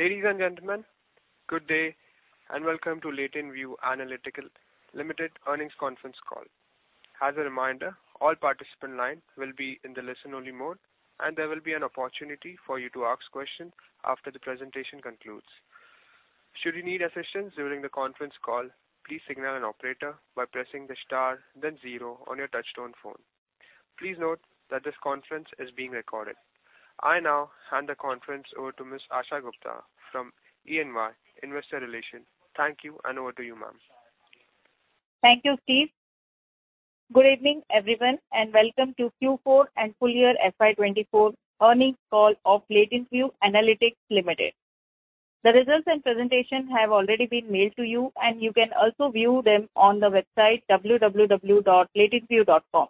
Ladies and gentlemen, good day, and welcome to LatentView Analytics Limited earnings conference call. As a reminder, all participant line will be in the listen-only mode, and there will be an opportunity for you to ask questions after the presentation concludes. Should you need assistance during the conference call, please signal an operator by pressing the star then zero on your touchtone phone. Please note that this conference is being recorded. I now hand the conference over to Miss Asha Gupta from EY Investor Relations. Thank you, and over to you, ma'am. Thank you, Steve. Good evening, everyone, and welcome to Q4 and full-year FY 2024 earnings call of LatentView Analytics Limited. The results and presentation have already been mailed to you, and you can also view them on the website www.latentview.com.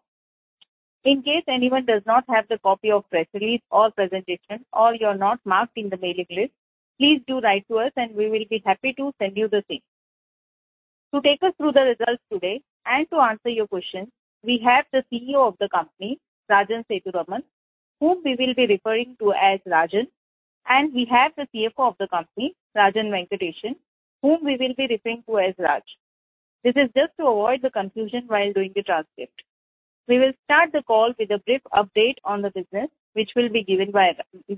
In case anyone does not have the copy of press release or presentation, or you're not marked in the mailing list, please do write to us, and we will be happy to send you the same. To take us through the results today and to answer your questions, we have the CEO of the company, Rajan Sethuraman, whom we will be referring to as Rajan, and we have the CFO of the company, Rajan Venkatesan, whom we will be referring to as Raj. This is just to avoid the confusion while doing the transcript. We will start the call with a brief update on the business, which will be given by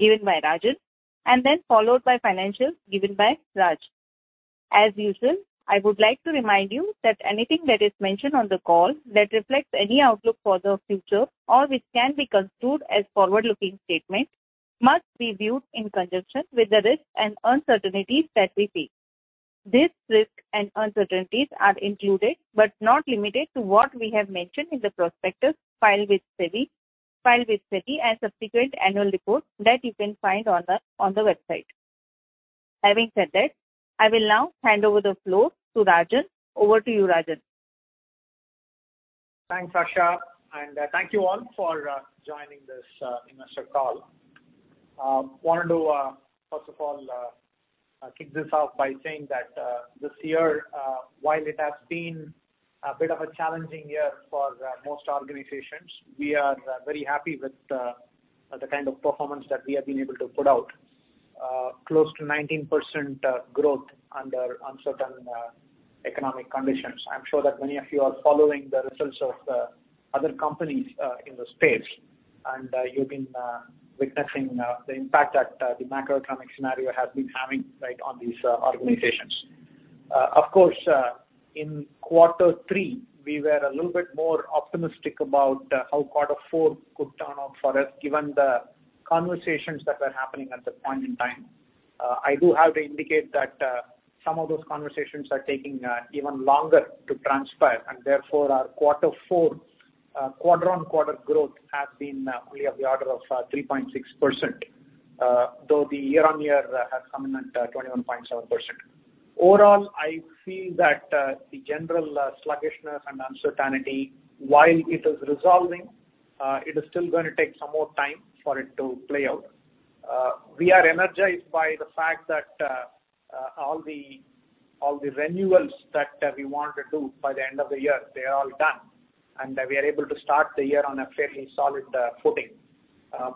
Rajan, and then followed by financials given by Raj. As usual, I would like to remind you that anything that is mentioned on the call that reflects any outlook for the future or which can be construed as forward-looking statement, must be viewed in conjunction with the risks and uncertainties that we face. These risks and uncertainties are included, but not limited to, what we have mentioned in the prospectus filed with SEBI and subsequent annual report that you can find on the website. Having said that, I will now hand over the floor to Rajan. Over to you, Rajan. Thanks, Asha, and thank you all for joining this investor call. Wanted to first of all kick this off by saying that this year, while it has been a bit of a challenging year for most organizations, we are very happy with the kind of performance that we have been able to put out. Close to 19% growth under uncertain economic conditions. I'm sure that many of you are following the results of other companies in the space, and you've been witnessing the impact that the macroeconomic scenario has been having, right, on these organizations. Of course, in quarter three, we were a little bit more optimistic about how quarter four could turn out for us, given the conversations that were happening at that point in time. I do have to indicate that some of those conversations are taking even longer to transpire, and therefore, our quarter four quarter-on-quarter growth has been only of the order of 3.6%, though the year-on-year has come in at 21.7%. Overall, I feel that the general sluggishness and uncertainty, while it is resolving, it is still gonna take some more time for it to play out. We are energized by the fact that all the renewals that we want to do by the end of the year, they are all done, and we are able to start the year on a fairly solid footing.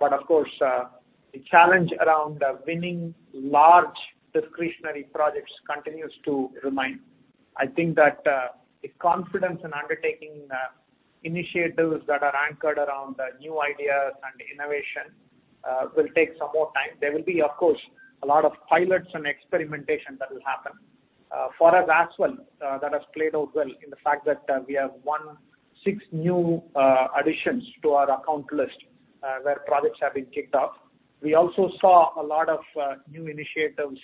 But of course, the challenge around winning large discretionary projects continues to remain. I think that the confidence in undertaking initiatives that are anchored around new ideas and innovation will take some more time. There will be, of course, a lot of pilots and experimentation that will happen. For us as well, that has played out well in the fact that we have won six new additions to our account list, where projects have been kicked off. We also saw a lot of new initiatives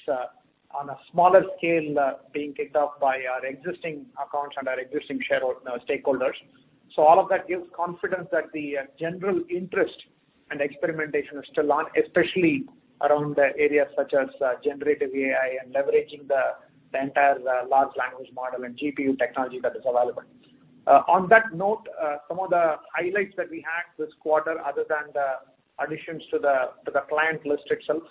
on a smaller scale being kicked off by our existing accounts and our existing stakeholders. So all of that gives confidence that the general interest and experimentation is still on, especially around the areas such as generative AI and leveraging the entire large language model and GPU technology that is available. On that note, some of the highlights that we had this quarter, other than the additions to the client list itself,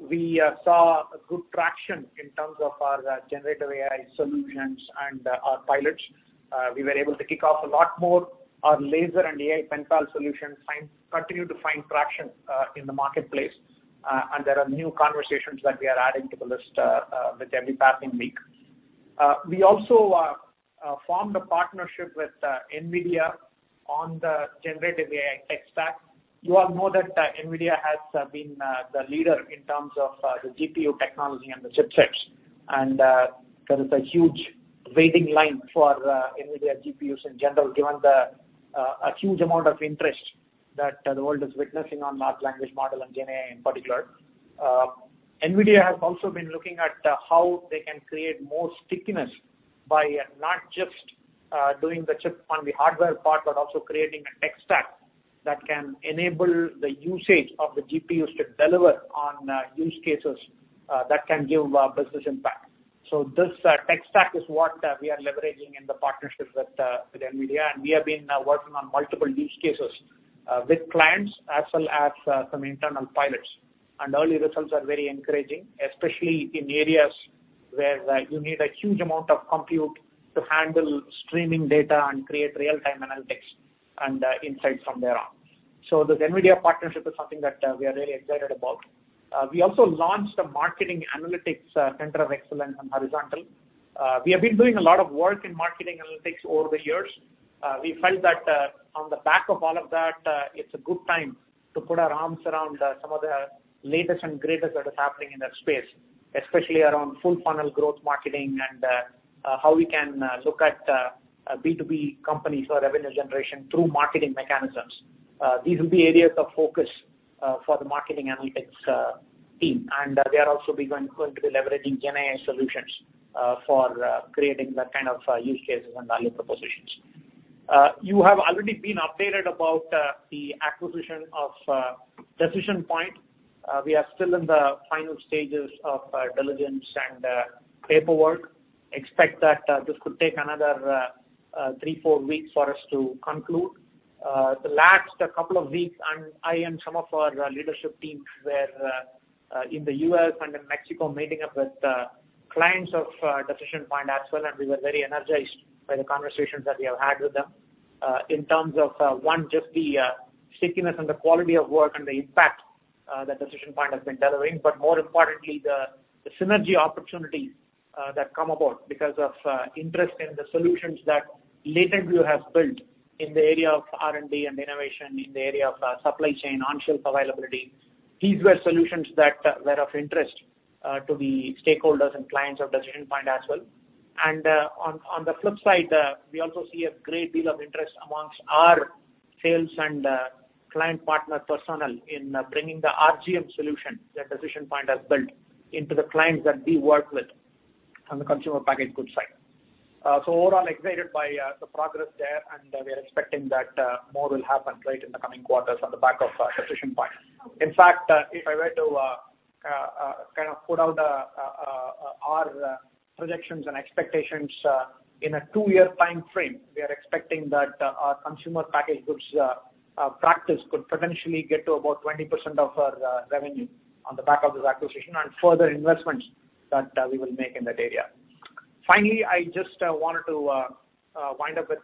we saw a good traction in terms of our generative AI solutions and our pilots. We were able to kick off a lot more. Our LASER and AI PenPal solutions continue to find traction in the marketplace, and there are new conversations that we are adding to the list with every passing week. We also formed a partnership with NVIDIA on the generative AI tech stack. You all know that NVIDIA has been the leader in terms of the GPU technology and the chipsets, and there is a huge waiting line for NVIDIA GPUs in general, given a huge amount of interest that the world is witnessing on large language model and GenAI in particular. NVIDIA has also been looking at how they can create more stickiness by not just doing the chip on the hardware part, but also creating a tech stack that can enable the usage of the GPUs to deliver on use cases that can give business impact. So this tech stack is what we are leveraging in the partnership with with NVIDIA, and we have been working on multiple use cases with clients, as well as some internal pilots. And early results are very encouraging, especially in areas where you need a huge amount of compute to handle streaming data and create real-time analytics and insights from there on. So this NVIDIA partnership is something that we are really excited about. We also launched a marketing analytics center of excellence on horizontal. We have been doing a lot of work in marketing analytics over the years. We felt that, on the back of all of that, it's a good time to put our arms around some of the latest and greatest that is happening in that space, especially around full funnel growth marketing and how we can look at a B2B company for revenue generation through marketing mechanisms. These will be areas of focus for the marketing analytics team. We are also going to be leveraging GenAI solutions for creating that kind of use cases and value propositions. You have already been updated about the acquisition of Decision Point. We are still in the final stages of diligence and paperwork. Expect that this could take another three, four weeks for us to conclude. The last couple of weeks, I and some of our leadership teams were in the US and in Mexico, meeting up with clients ofDecision Point as well, and we were very energized by the conversations that we have had with them. In terms of one, just the stickiness and the quality of work and the impact thatDecision Point has been delivering, but more importantly, the synergy opportunities that come about because of interest in the solutions that LatentView has built in the area of R&D and innovation, in the area of supply chain, on-shelf availability. These were solutions that were of interest to the stakeholders and clients of Decision Point as well. On the flip side, we also see a great deal of interest among our sales and client partner personnel in bringing the RGM solution that Decision Point has built into the clients that we work with on the consumer packaged goods side. So overall, excited by the progress there, and we are expecting that more will happen, right, in the coming quarters on the back of Decision Point. In fact, if I were to kind of put out our projections and expectations in a two-year time frame, we are expecting that our consumer packaged goods practice could potentially get to about 20% of our revenue on the back of this acquisition and further investments that we will make in that area. Finally, I just wanted to wind up with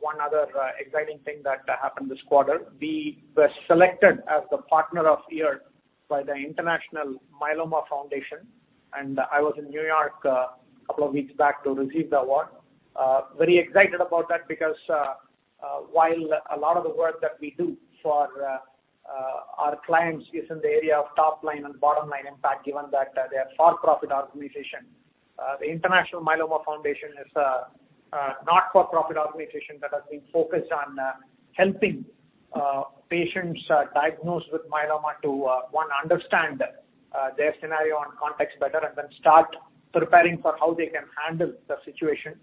one other exciting thing that happened this quarter. We were selected as the Partner of the Year by the International Myeloma Foundation, and I was in New York a couple of weeks back to receive the award. Very excited about that because while a lot of the work that we do for our clients is in the area of top line and bottom line impact, given that they are for-profit organization, the International Myeloma Foundation is a not-for-profit organization that has been focused on helping patients diagnosed with myeloma to one understand their scenario and context better, and then start preparing for how they can handle the situation.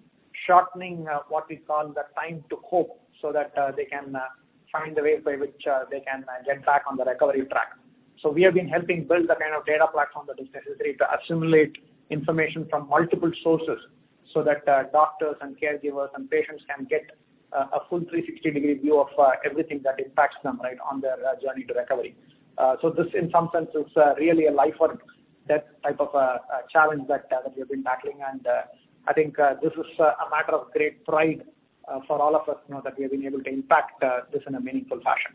Shortening what we call the time to hope, so that they can find the way by which they can get back on the recovery track. So we have been helping build the kind of data platform that is necessary to assimilate information from multiple sources, so that doctors and caregivers and patients can get a full 360-degree view of everything that impacts them, right, on their journey to recovery. So this, in some sense, is really a life or death type of challenge that we have been tackling. And I think this is a matter of great pride for all of us, you know, that we have been able to impact this in a meaningful fashion.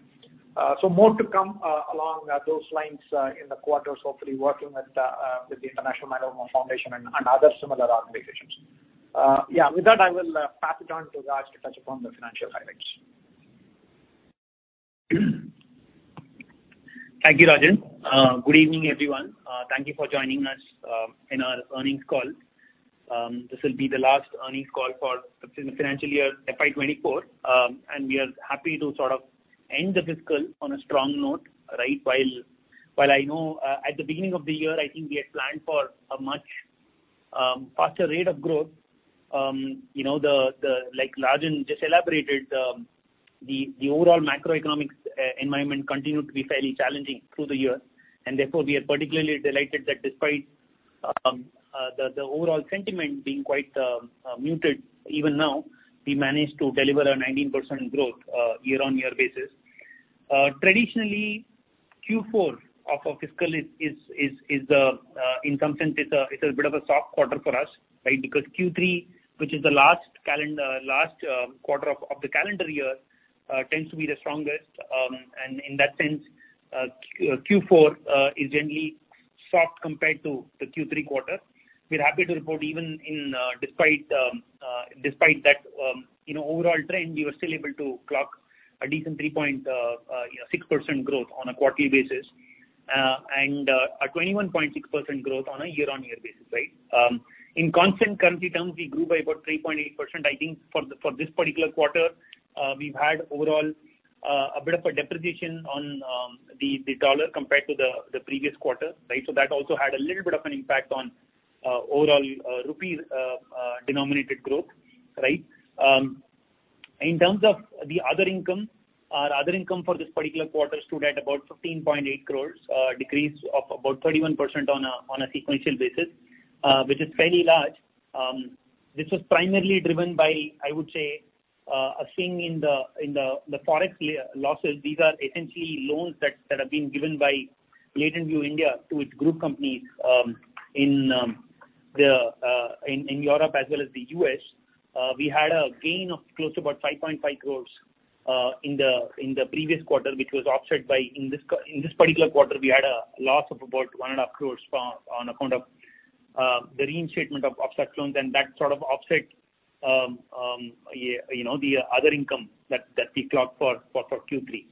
So more to come along those lines in the quarters, hopefully working with the International Myeloma Foundation and other similar organizations. Yeah, with that, I will pass it on to Raj to touch upon the financial highlights. Thank you, Rajan. Good evening, everyone. Thank you for joining us in our earnings call. This will be the last earnings call for the financial year FY 2024. We are happy to sort of end the fiscal on a strong note, right? While I know at the beginning of the year, I think we had planned for a much faster rate of growth. You know, like Rajan just elaborated, the overall macroeconomic environment continued to be fairly challenging through the year, and therefore, we are particularly delighted that despite the overall sentiment being quite muted even now, we managed to deliver a 19% growth year-on-year basis. Traditionally, Q4 of our fiscal is in some sense it's a bit of a soft quarter for us, right? Because Q3, which is the last quarter of the calendar year, tends to be the strongest. And in that sense, Q4 is generally soft compared to the Q3 quarter. We're happy to report even despite that, you know, overall trend, we were still able to clock a decent 3.6% growth on a quarterly basis, and a 21.6% growth on a year-on-year basis, right? In constant currency terms, we grew by about 3.8%. I think for this particular quarter, we've had overall a bit of a depreciation on the dollar compared to the previous quarter, right? So that also had a little bit of an impact on overall rupee-denominated growth, right? In terms of the other income, our other income for this particular quarter stood at about 15.8 crore, a decrease of about 31% on a sequential basis, which is fairly large. This was primarily driven by the forex losses. These are essentially loans that have been given by LatentView India to its group companies in Europe as well as the US. We had a gain of close to about 5.5 crore in the previous quarter, which was offset by, in this particular quarter, we had a loss of about 1.5 crore on account of the reinstatement of offset loans, and that sort of offset, you know, the other income that we clocked for Q3.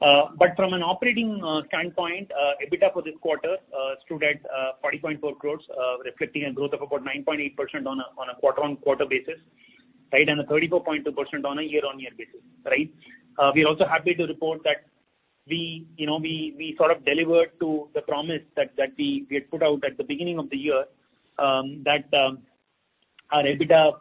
But from an operating standpoint, EBITDA for this quarter stood at 40.4 crore, reflecting a growth of about 9.8% on a quarter-on-quarter basis, right? And a 34.2% on a year-on-year basis, right? We are also happy to report that we, you know, we sort of delivered to the promise that we had put out at the beginning of the year. That our EBITDA,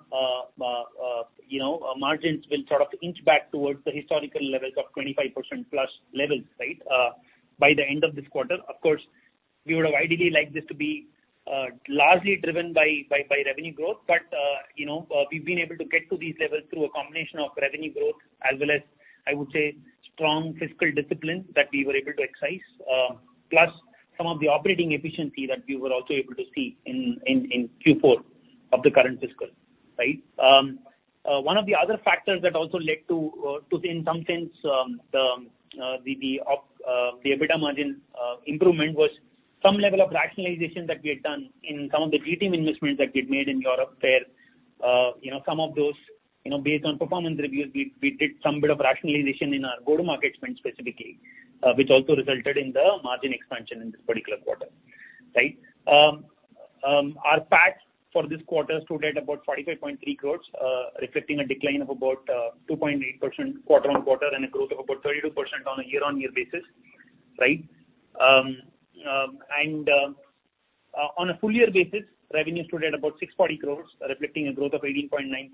you know, margins will sort of inch back towards the historical levels of 25% plus levels, right, by the end of this quarter. Of course, we would have ideally liked this to be largely driven by revenue growth. But, you know, we've been able to get to these levels through a combination of revenue growth as well as, I would say, strong fiscal discipline that we were able to exercise. Plus some of the operating efficiency that we were also able to see in Q4 of the current fiscal, right? One of the other factors that also led to, in some sense, the EBITDA margin improvement was some level of rationalization that we had done in some of the GTM investments that we'd made in Europe, where, you know, some of those, you know, based on performance reviews, we did some bit of rationalization in our go-to-market spend specifically. Which also resulted in the margin expansion in this particular quarter, right? Our PAT for this quarter stood at about 45.3 crores, reflecting a decline of about 2.8% quarter-on-quarter, and a growth of about 32% on a year-on-year basis, right? On a full year basis, revenue stood at about 640 crores, reflecting a growth of 18.9%.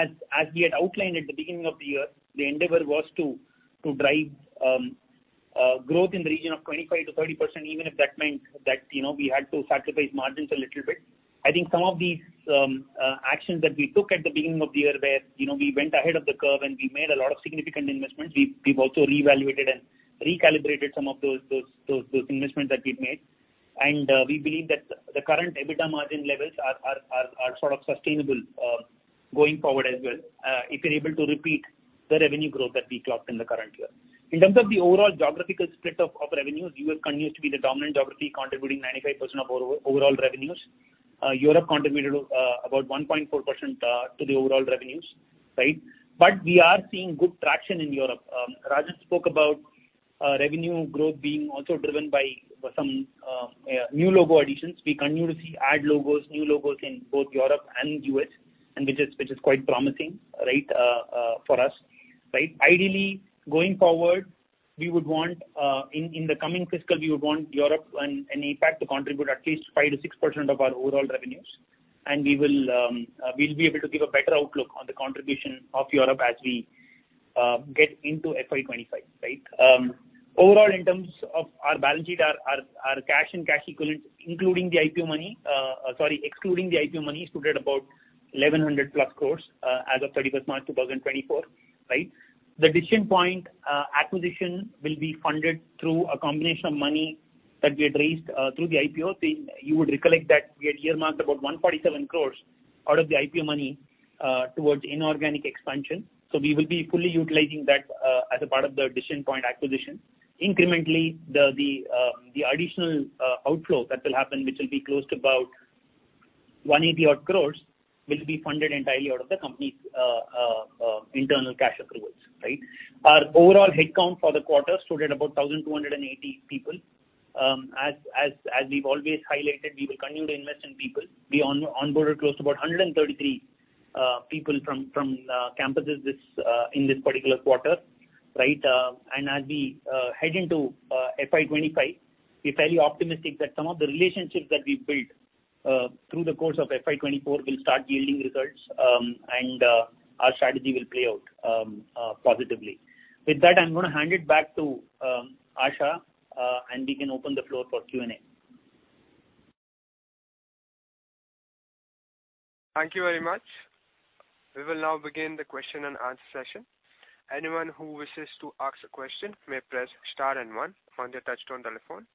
As we had outlined at the beginning of the year, the endeavor was to drive growth in the region of 25%-30%, even if that meant that, you know, we had to sacrifice margins a little bit. I think some of these actions that we took at the beginning of the year, where, you know, we went ahead of the curve and we made a lot of significant investments. We've also reevaluated and recalibrated some of those investments that we've made. We believe that the current EBITDA margin levels are sort of sustainable going forward as well. If we're able to repeat the revenue growth that we clocked in the current year. In terms of the overall geographical split of revenues, US continues to be the dominant geography, contributing 95% of overall revenues. Europe contributed about 1.4% to the overall revenues, right? But we are seeing good traction in Europe. Rajesh spoke about revenue growth being also driven by some new logo additions. We continue to see new logos in both Europe and US, and which is quite promising, right, for us, right? Ideally, going forward, we would want in the coming fiscal, we would want Europe and APAC to contribute at least 5%-6% of our overall revenues. And we will, we'll be able to give a better outlook on the contribution of Europe as we get into FY 2025, right? Overall, in terms of our balance sheet, our cash and cash equivalents, including the IPO money, sorry, excluding the IPO money, stood at about 1,100+ crores as of March 31, 2024, right? The Decision Point acquisition will be funded through a combination of money that we had raised through the IPO. So you would recollect that we had earmarked about 147 crores out of the IPO money towards inorganic expansion. So we will be fully utilizing that as a part of the Decision Point acquisition. Incrementally, the additional outflow that will happen, which will be close to about 180 crore, will be funded entirely out of the company's internal cash accruals, right? Our overall headcount for the quarter stood at about 1,280 people. As we've always highlighted, we will continue to invest in people. We onboarded close to about 133 people from campuses in this particular quarter, right? And as we head into FY 2025, we're fairly optimistic that some of the relationships that we've built through the course of FY 2024 will start yielding results, and our strategy will play out positively. With that, I'm gonna hand it back to Asha, and we can open the floor for Q&A. Thank you very much. We will now begin the question and answer session. Anyone who wishes to ask a question may press star and one on their touchtone telephone.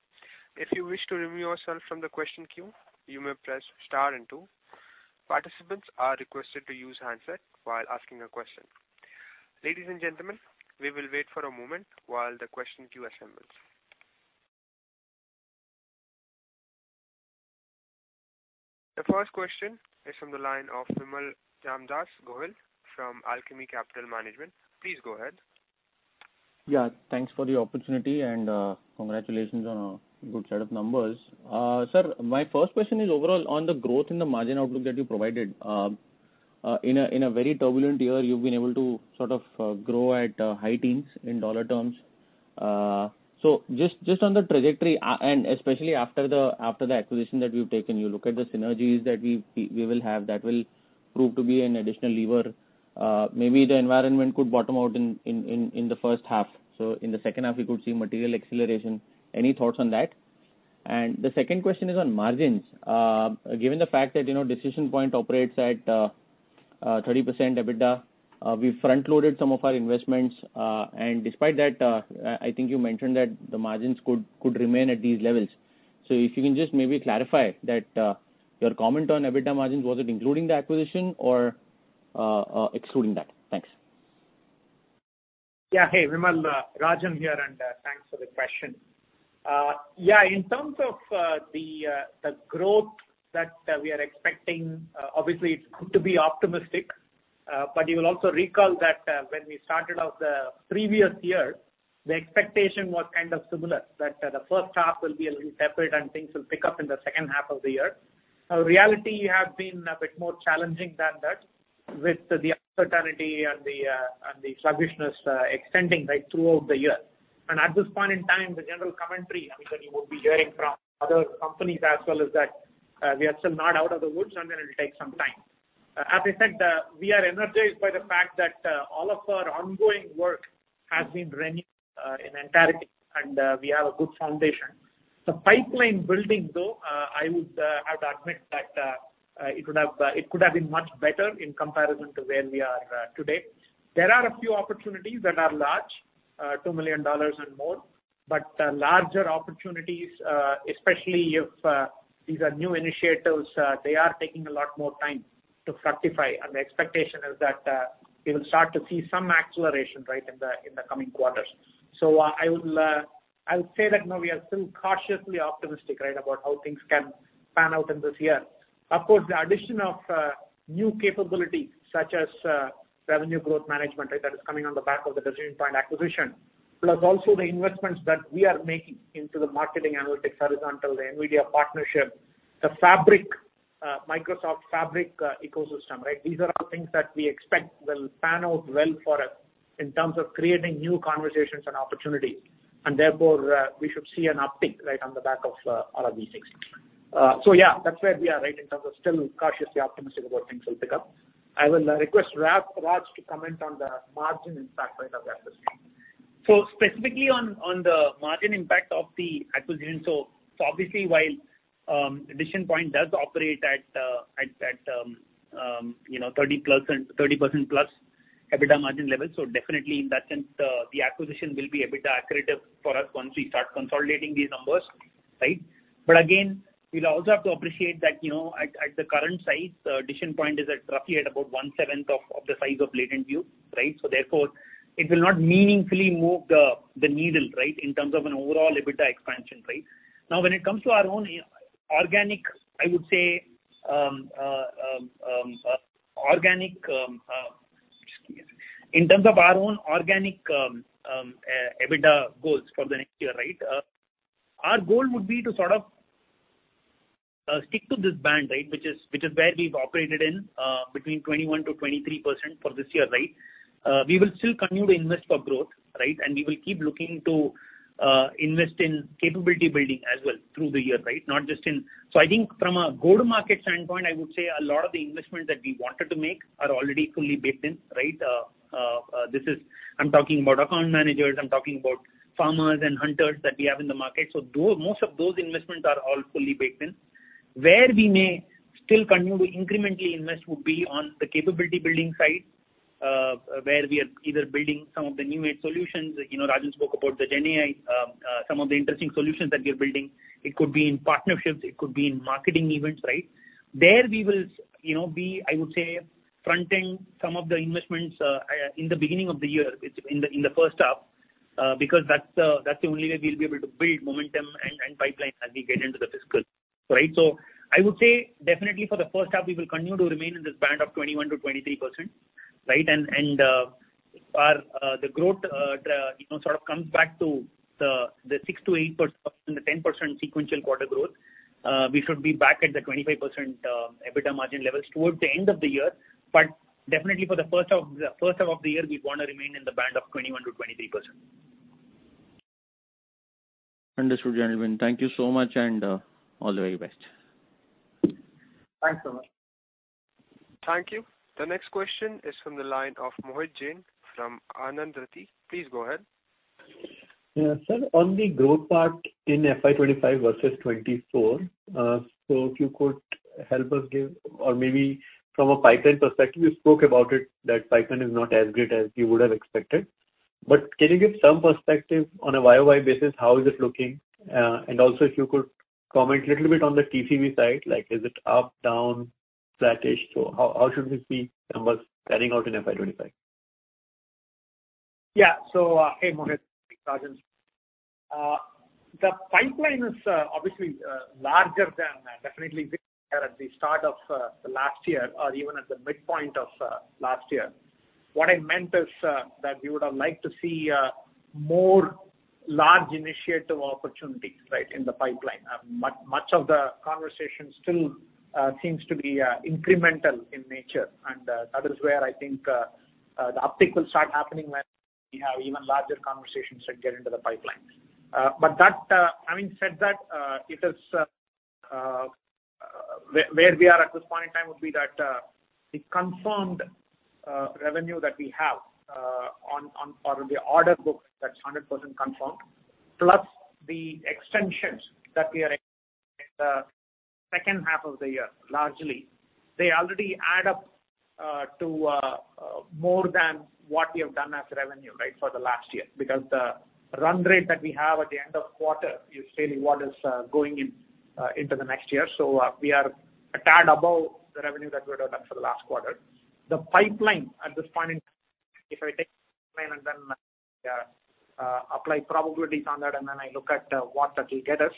If you wish to remove yourself from the question queue, you may press star and two. Participants are requested to use handset while asking a question. Ladies and gentlemen, we will wait for a moment while the question queue assembles. The first question is from the line of Vimal Ramdas Goyal from Alchemy Capital Management. Please go ahead. Yeah, thanks for the opportunity, and, congratulations on a good set of numbers. Sir, my first question is overall on the growth in the margin outlook that you provided. In a very turbulent year, you've been able to sort of grow at high teens in dollar terms. So just on the trajectory, and especially after the acquisition that you've taken, you look at the synergies that we will have that will prove to be an additional lever. Maybe the environment could bottom out in the first half, so in the second half, we could see material acceleration. Any thoughts on that? And the second question is on margins. Given the fact that, you know, Decision Point operates at 30% EBITDA, we front-loaded some of our investments, and despite that, I think you mentioned that the margins could remain at these levels. So if you can just maybe clarify that, your comment on EBITDA margins, was it including the acquisition or excluding that? Thanks. Yeah. Hey, Vimal. Rajan here, and thanks for the question. Yeah, in terms of the growth that we are expecting, obviously it's good to be optimistic, but you will also recall that when we started out the previous year, the expectation was kind of similar, that the first half will be a little separate and things will pick up in the second half of the year. Now, reality has been a bit more challenging than that, with the uncertainty and the sluggishness extending right throughout the year. And at this point in time, the general commentary, I mean, that you will be hearing from other companies as well, is that we are still not out of the woods, and then it will take some time. As I said, we are energized by the fact that all of our ongoing work has been renewed in entirety, and we have a good foundation. The pipeline building, though, I would have to admit that it could have been much better in comparison to where we are today. There are a few opportunities that are large, $2 million and more, but the larger opportunities, especially if these are new initiatives, they are taking a lot more time to fructify. And the expectation is that we will start to see some acceleration, right, in the coming quarters. So, I would say that, you know, we are still cautiously optimistic, right, about how things can pan out in this year. Of course, the addition of new capabilities such as revenue growth management, right, that is coming on the back of the Decision Point acquisition, plus also the investments that we are making into the marketing analytics horizontal, the NVIDIA partnership, the Fabric, Microsoft Fabric ecosystem, right? These are all things that we expect will pan out well for us in terms of creating new conversations and opportunity, and therefore, we should see an uptick, right, on the back of all of these things. So yeah, that's where we are, right, in terms of still cautiously optimistic about things will pick up. I will request Rajan to comment on the margin impact, right, of the acquisition. So specifically on the margin impact of the acquisition. So obviously, while Decision Point does operate at, you know, 30%+ EBITDA margin level, so definitely in that sense, the acquisition will be EBITDA accretive for us once we start consolidating these numbers, right? But again, we'll also have to appreciate that, you know, at the current size, Decision Point is roughly about one-seventh of the size of Latent View, right? So therefore, it will not meaningfully move the needle, right, in terms of an overall EBITDA expansion, right? Now, when it comes to our own organic, I would say... In terms of our own organic EBITDA goals for the next year, right, our goal would be to sort of stick to this band, right? Which is where we've operated in between 21%-23% for this year, right? We will still continue to invest for growth, right? And we will keep looking to invest in capability building as well through the year, right? Not just in... So I think from a go-to-market standpoint, I would say a lot of the investments that we wanted to make are already fully baked in, right? This is. I'm talking about account managers, I'm talking about farmers and hunters that we have in the market. So most of those investments are all fully baked in. Where we may still continue to incrementally invest would be on the capability building side, where we are either building some of the new-age solutions. You know, Rajan spoke about the GenAI, some of the interesting solutions that we are building. It could be in partnerships, it could be in marketing events, right? There we will, you know, be, I would say, fronting some of the investments, in the beginning of the year, it's in the, in the first half, because that's the, that's the only way we'll be able to build momentum and, and pipeline as we get into the fiscal, right? So I would say definitely for the first half, we will continue to remain in this band of 21%-23%, right? Our growth, you know, sort of comes back to the 6%-8%, the 10% sequential quarter growth. We should be back at the 25% EBITDA margin levels towards the end of the year. But definitely for the first half, the first half of the year, we want to remain in the band of 21%-23%. Understood, gentlemen. Thank you so much, and all the very best. Thanks so much. Thank you. The next question is from the line of Mohit Jain from Anand Rathi. Please go ahead. Yeah, sir, on the growth part in FY 2025 versus 2024, so if you could help us give or maybe from a pipeline perspective, you spoke about it, that pipeline is not as great as you would have expected. But can you give some perspective on a YOY basis, how is it looking? And also if you could comment a little bit on the TCV side, like is it up, down, flattish? So how should we see numbers panning out in FY 2025? Yeah. So, hey, Mohit, Rajan. The pipeline is obviously larger than definitely at the start of the last year or even at the midpoint of last year. What I meant is that we would have liked to see more large initiative opportunities, right, in the pipeline. Much, much of the conversation still seems to be incremental in nature, and that is where I think the uptick will start happening when we have even larger conversations that get into the pipeline. But that, having said that, it is where we are at this point in time would be that, the confirmed revenue that we have, on or the order book that's 100% confirmed, plus the extensions that we are in the second half of the year, largely, they already add up to more than what we have done as revenue, right, for the last year. Because the run rate that we have at the end of quarter is really what is going in into the next year. So, we are a tad above the revenue that we would have done for the last quarter. The pipeline at this point in time, if I take the pipeline and then apply probabilities on that, and then I look at what that will get us,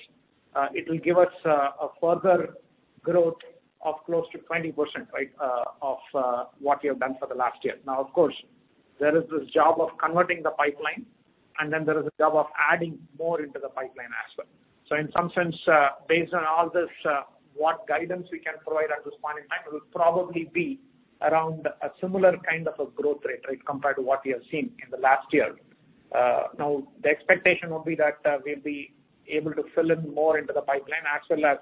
it will give us a further growth of close to 20%, right, of what we have done for the last year. Now, of course, there is this job of converting the pipeline, and then there is the job of adding more into the pipeline as well. So in some sense, based on all this, what guidance we can provide at this point in time, it will probably be around a similar kind of a growth rate, right, compared to what we have seen in the last year. Now, the expectation would be that we'll be able to fill in more into the pipeline, as well as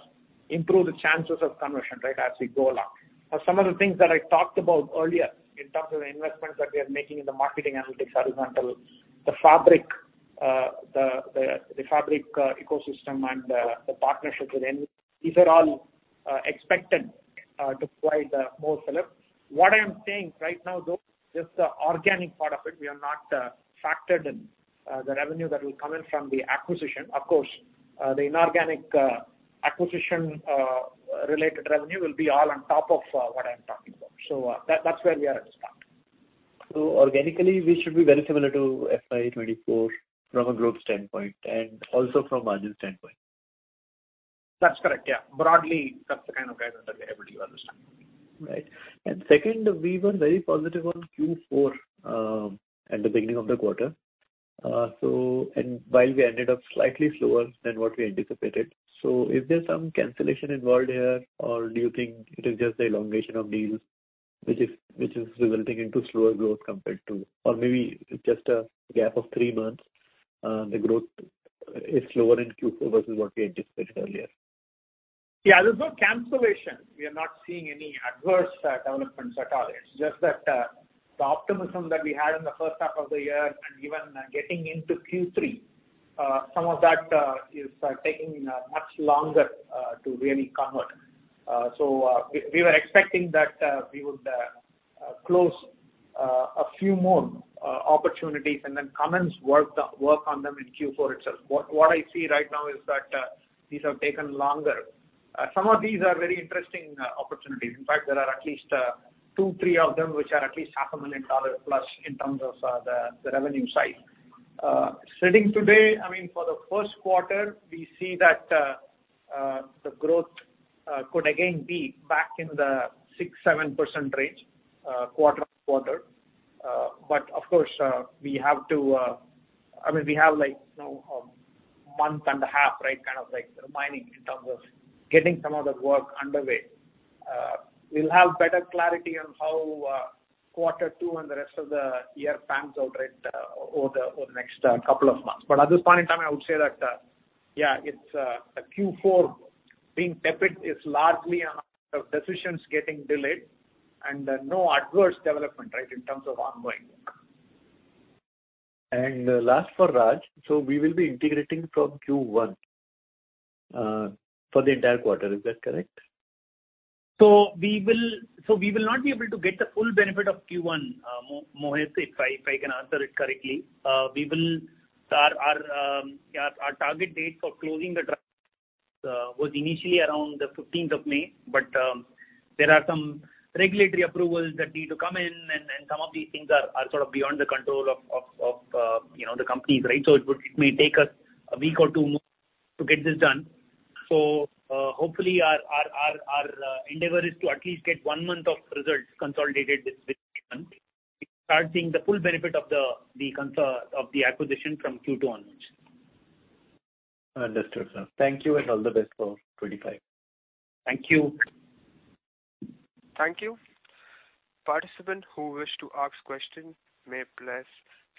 improve the chances of conversion, right, as we go along. Now, some of the things that I talked about earlier in terms of the investments that we are making in the marketing analytics, for example, the fabric ecosystem and the partnerships with them, these are all expected to provide more fillip. What I am saying right now, though, just the organic part of it, we have not factored in the revenue that will come in from the acquisition. Of course, the inorganic acquisition related revenue will be all on top of what I'm talking about. So, that's where we are at this point. Organically, we should be very similar to FY 2024 from a growth standpoint and also from margin standpoint? That's correct, yeah. Broadly, that's the kind of guidance that we are able to understand. Right. And second, we were very positive on Q4 at the beginning of the quarter. So and while we ended up slightly slower than what we anticipated, so is there some cancellation involved here, or do you think it is just the elongation of deals, which is, which is resulting into slower growth compared to... Or maybe just a gap of three months, the growth is slower in Q4 versus what we anticipated earlier? Yeah, there's no cancellation. We are not seeing any adverse developments at all. It's just that the optimism that we had in the first half of the year and even getting into Q3, some of that is taking much longer to really convert. So we were expecting that we would close a few more opportunities and then commence work on them in Q4 itself. What I see right now is that these have taken longer. Some of these are very interesting opportunities. In fact, there are at least two, three of them, which are at least $500,000+ in terms of the revenue side. As of today, I mean, for the first quarter, we see that the growth could again be back in the 6%-7% range, quarter-on-quarter. But of course, we have to... I mean, we have, like, you know, a month and a half, right, kind of like remaining in terms of getting some of the work underway. We'll have better clarity on how quarter two and the rest of the year pans out, right, over the next couple of months. But at this point in time, I would say that, yeah, it's the Q4 being tepid is largely around the decisions getting delayed and no adverse development, right, in terms of ongoing. And last for Raj. So we will be integrating from Q1 for the entire quarter. Is that correct? So we will not be able to get the full benefit of Q1, Mohit, if I can answer it correctly. Our, yeah, our target date for closing was initially around the fifteenth of May, but there are some regulatory approvals that need to come in, and some of these things are sort of beyond the control of you know the companies, right? So it may take us a week or two more to get this done. So hopefully our endeavor is to at least get one month of results consolidated with, we start seeing the full benefit of the consolidation of the acquisition from Q2 onwards. Understood, sir. Thank you, and all the best for 2025. Thank you. Thank you. Participants who wish to ask questions may press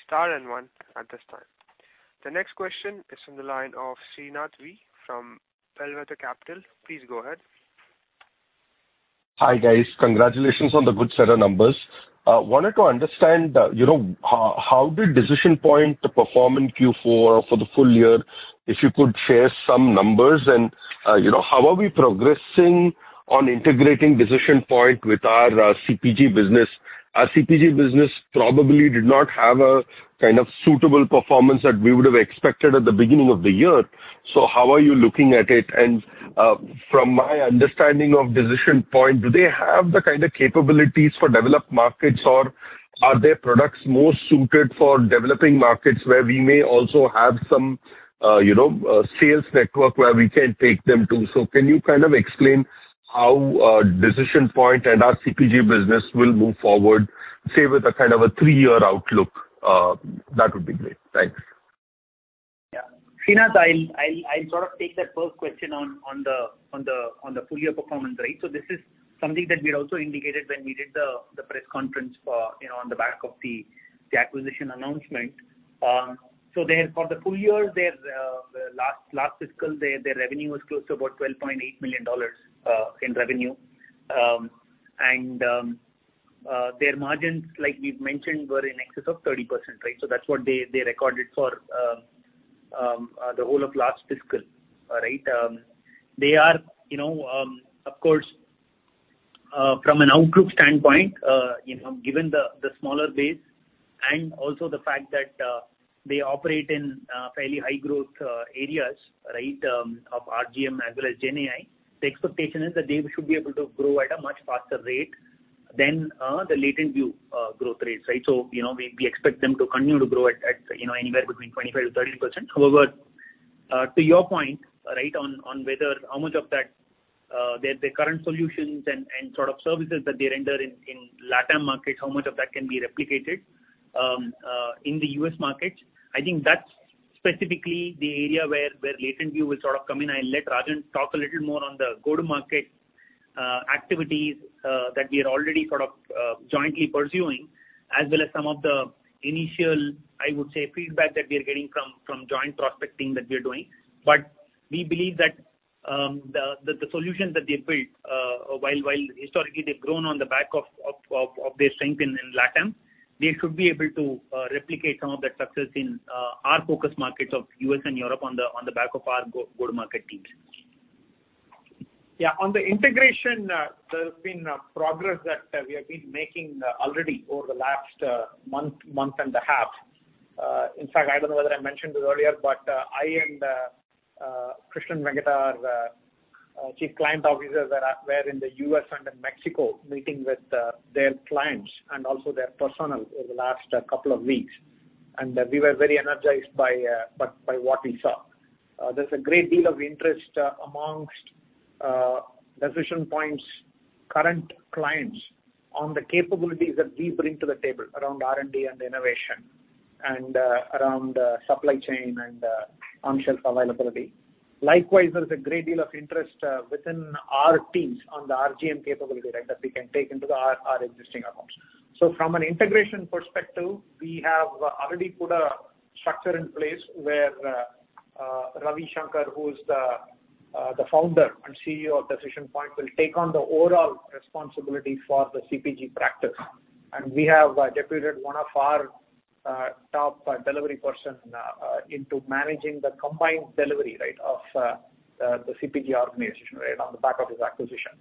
star and one at this time. The next question is from the line of Srinath V from Bellwether Capital. Please go ahead. Hi, guys. Congratulations on the good set of numbers. Wanted to understand, you know, how did Decision Point perform in Q4 for the full-year? If you could share some numbers and, you know, how are we progressing on integrating Decision Point with our CPG business? Our CPG business probably did not have a kind of suitable performance that we would have expected at the beginning of the year. So how are you looking at it? And, from my understanding of Decision Point, do they have the kind of capabilities for developed markets, or are their products more suited for developing markets, where we may also have some, you know, sales network where we can take them to? So can you kind of explain how Decision Point and our CPG business will move forward, say, with a kind of a three-year outlook? That would be great. Thanks.... Srinath, I'll sort of take that first question on the full-year performance, right? So this is something that we had also indicated when we did the press conference for, you know, on the back of the acquisition announcement. So there for the full-year, their last fiscal, their revenue was close to about $12.8 million in revenue. And their margins, like we've mentioned, were in excess of 30%, right? So that's what they recorded for the whole of last fiscal, right. They are, you know, of course, from an outgroup standpoint, you know, given the smaller base and also the fact that they operate in fairly high growth areas, right, of RGM as well as GenAI, the expectation is that they should be able to grow at a much faster rate than the LatentView growth rates, right? So, you know, we expect them to continue to grow at, you know, anywhere between 25%-30%. However, to your point, right, on whether how much of that their current solutions and sort of services that they render in LatAm markets, how much of that can be replicated in the US markets? I think that's specifically the area where LatentView will sort of come in. I'll let Rajan talk a little more on the go-to-market activities that we are already sort of jointly pursuing, as well as some of the initial, I would say, feedback that we are getting from joint prospecting that we are doing. But we believe that the solutions that they built, while historically they've grown on the back of their strength in Latam, they should be able to replicate some of that success in our focus markets of US and Europe on the back of our go-to-market teams. Yeah. On the integration, there has been progress that we have been making already over the last month, month and a half. In fact, I don't know whether I mentioned this earlier, but I and Krishnan Venkata, our Chief Client Officer, were in the US and in Mexico, meeting with their clients and also their personnel over the last couple of weeks. And we were very energized by what we saw. There's a great deal of interest amongst Decision Point's current clients on the capabilities that we bring to the table around R&D and innovation, and around supply chain and on-shelf availability. Likewise, there's a great deal of interest within our teams on the RGM capability, right, that we can take into our existing accounts. So from an integration perspective, we have already put a structure in place where Ravi Shankar, who is the founder and CEO of Decision Point, will take on the overall responsibility for the CPG practice. We have deputed one of our top delivery person into managing the combined delivery, right, of the CPG organization, right, on the back of his acquisition.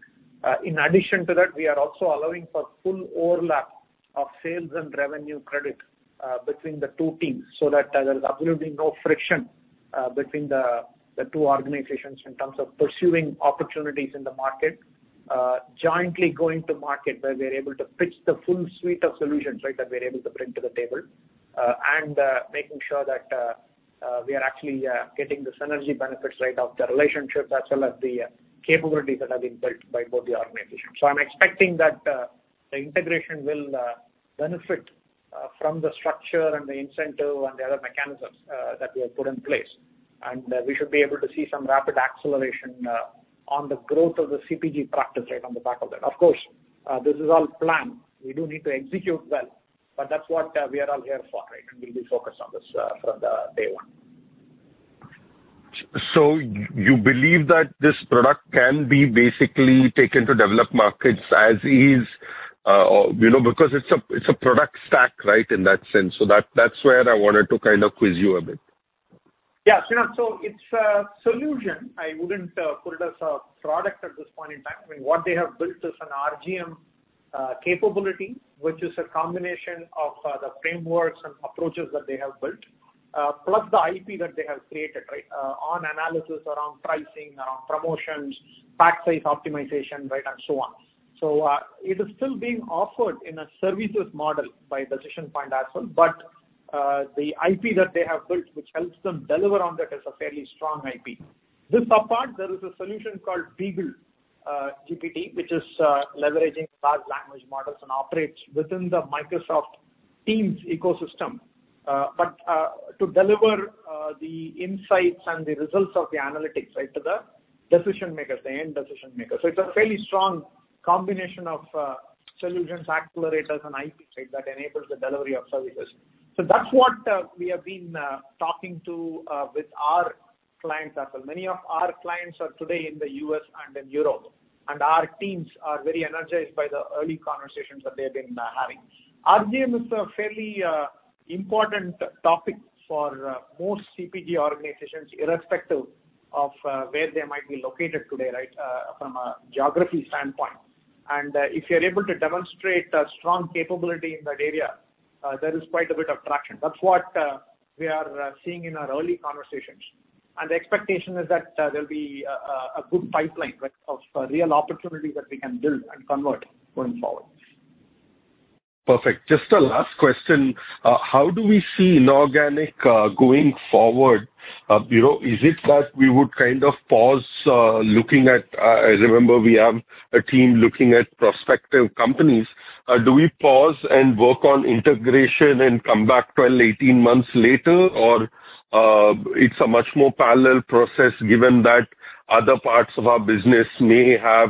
In addition to that, we are also allowing for full overlap of sales and revenue credit between the two teams, so that there is absolutely no friction between the two organizations in terms of pursuing opportunities in the market. Jointly going to market, where we are able to pitch the full suite of solutions, right, that we're able to bring to the table. And making sure that we are actually getting the synergy benefits, right, of the relationships as well as the capabilities that have been built by both the organizations. So I'm expecting that the integration will benefit from the structure and the incentive and the other mechanisms that we have put in place. And we should be able to see some rapid acceleration on the growth of the CPG practice, right, on the back of that. Of course, this is all planned. We do need to execute well, but that's what we are all here for, right? And we'll be focused on this from the day one. So you believe that this product can be basically taken to developed markets as is? You know, because it's a, it's a product stack, right, in that sense. So that, that's where I wanted to kind of quiz you a bit. Yeah, Srinath. So it's a solution. I wouldn't put it as a product at this point in time. I mean, what they have built is an RGM capability, which is a combination of the frameworks and approaches that they have built, plus the IP that they have created, right, on analysis, around pricing, around promotions, pack size optimization, right, and so on. So, it is still being offered in a services model by Decision Point as well, but the IP that they have built, which helps them deliver on that, is a fairly strong IP. This apart, there is a solution called BeagleGPT, which is leveraging large language models and operates within the Microsoft Teams ecosystem. But to deliver the insights and the results of the analytics, right, to the decision makers, the end decision makers. So it's a fairly strong combination of solutions, accelerators, and IP, right, that enables the delivery of services. So that's what we have been talking to with our clients as well. Many of our clients are today in the US and in Europe, and our teams are very energized by the early conversations that they have been having. RGM is a fairly important topic for most CPG organizations, irrespective of where they might be located today, right, from a geography standpoint. If you're able to demonstrate a strong capability in that area, there is quite a bit of traction. That's what we are seeing in our early conversations. The expectation is that there'll be a good pipeline, right, of real opportunity that we can build and convert going forward. Perfect. Just a last question. How do we see inorganic going forward? You know, is it that we would kind of pause looking at... I remember we have a team looking at prospective companies. Do we pause and work on integration and come back 12, 18 months later? Or it's a much more parallel process, given that-... other parts of our business may have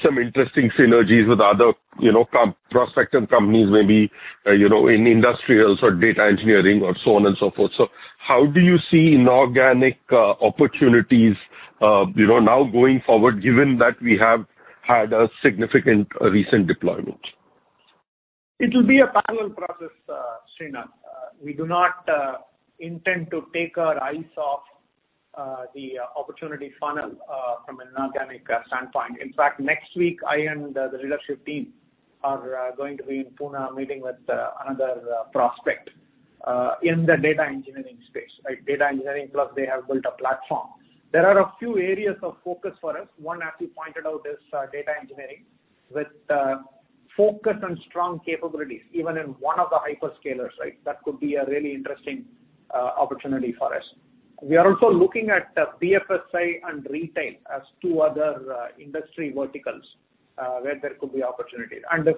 some interesting synergies with other, you know, prospective companies, maybe, you know, in industrials or data engineering or so on and so forth. So how do you see inorganic opportunities, you know, now going forward, given that we have had a significant recent deployment? It will be a parallel process, Srinath. We do not intend to take our eyes off the opportunity funnel from an organic standpoint. In fact, next week, I and the leadership team are going to be in Pune, meeting with another prospect in the data engineering space, right? Data engineering, plus they have built a platform. There are a few areas of focus for us. One, as you pointed out, is data engineering, with focus on strong capabilities, even in one of the hyperscalers, right? That could be a really interesting opportunity for us. We are also looking at BFSI and retail as two other industry verticals where there could be opportunities. And if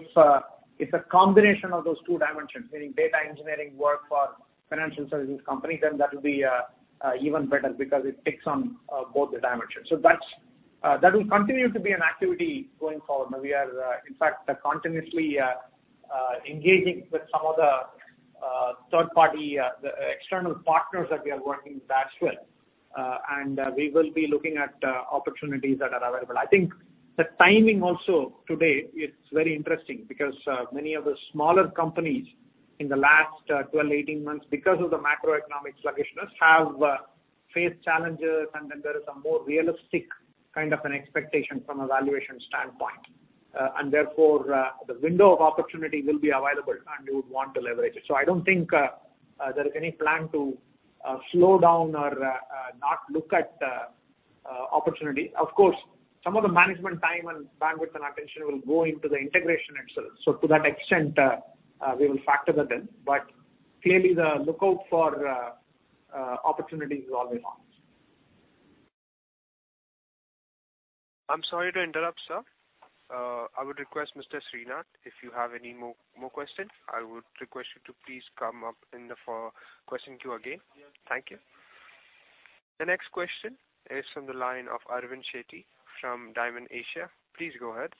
it's a combination of those two dimensions, meaning data engineering work for financial services companies, then that will be even better because it ticks on both the dimensions. So that will continue to be an activity going forward. And we are, in fact, continuously engaging with some of the third-party, the external partners that we are working with as well. And we will be looking at opportunities that are available. I think the timing also today is very interesting because many of the smaller companies in the last 12, 18 months, because of the macroeconomic sluggishness, have faced challenges, and then there is a more realistic kind of an expectation from a valuation standpoint. And therefore, the window of opportunity will be available, and we would want to leverage it. I don't think there is any plan to slow down or not look at opportunity. Of course, some of the management time and bandwidth and attention will go into the integration itself. So to that extent, we will factor that in. But clearly, the lookout for opportunity is always on. I'm sorry to interrupt, sir. I would request, Mr. Srinath, if you have any more questions, I would request you to please come up in the question queue again. Thank you. The next question is from the line of Aravind Shetty from Diamond Asia. Please go ahead.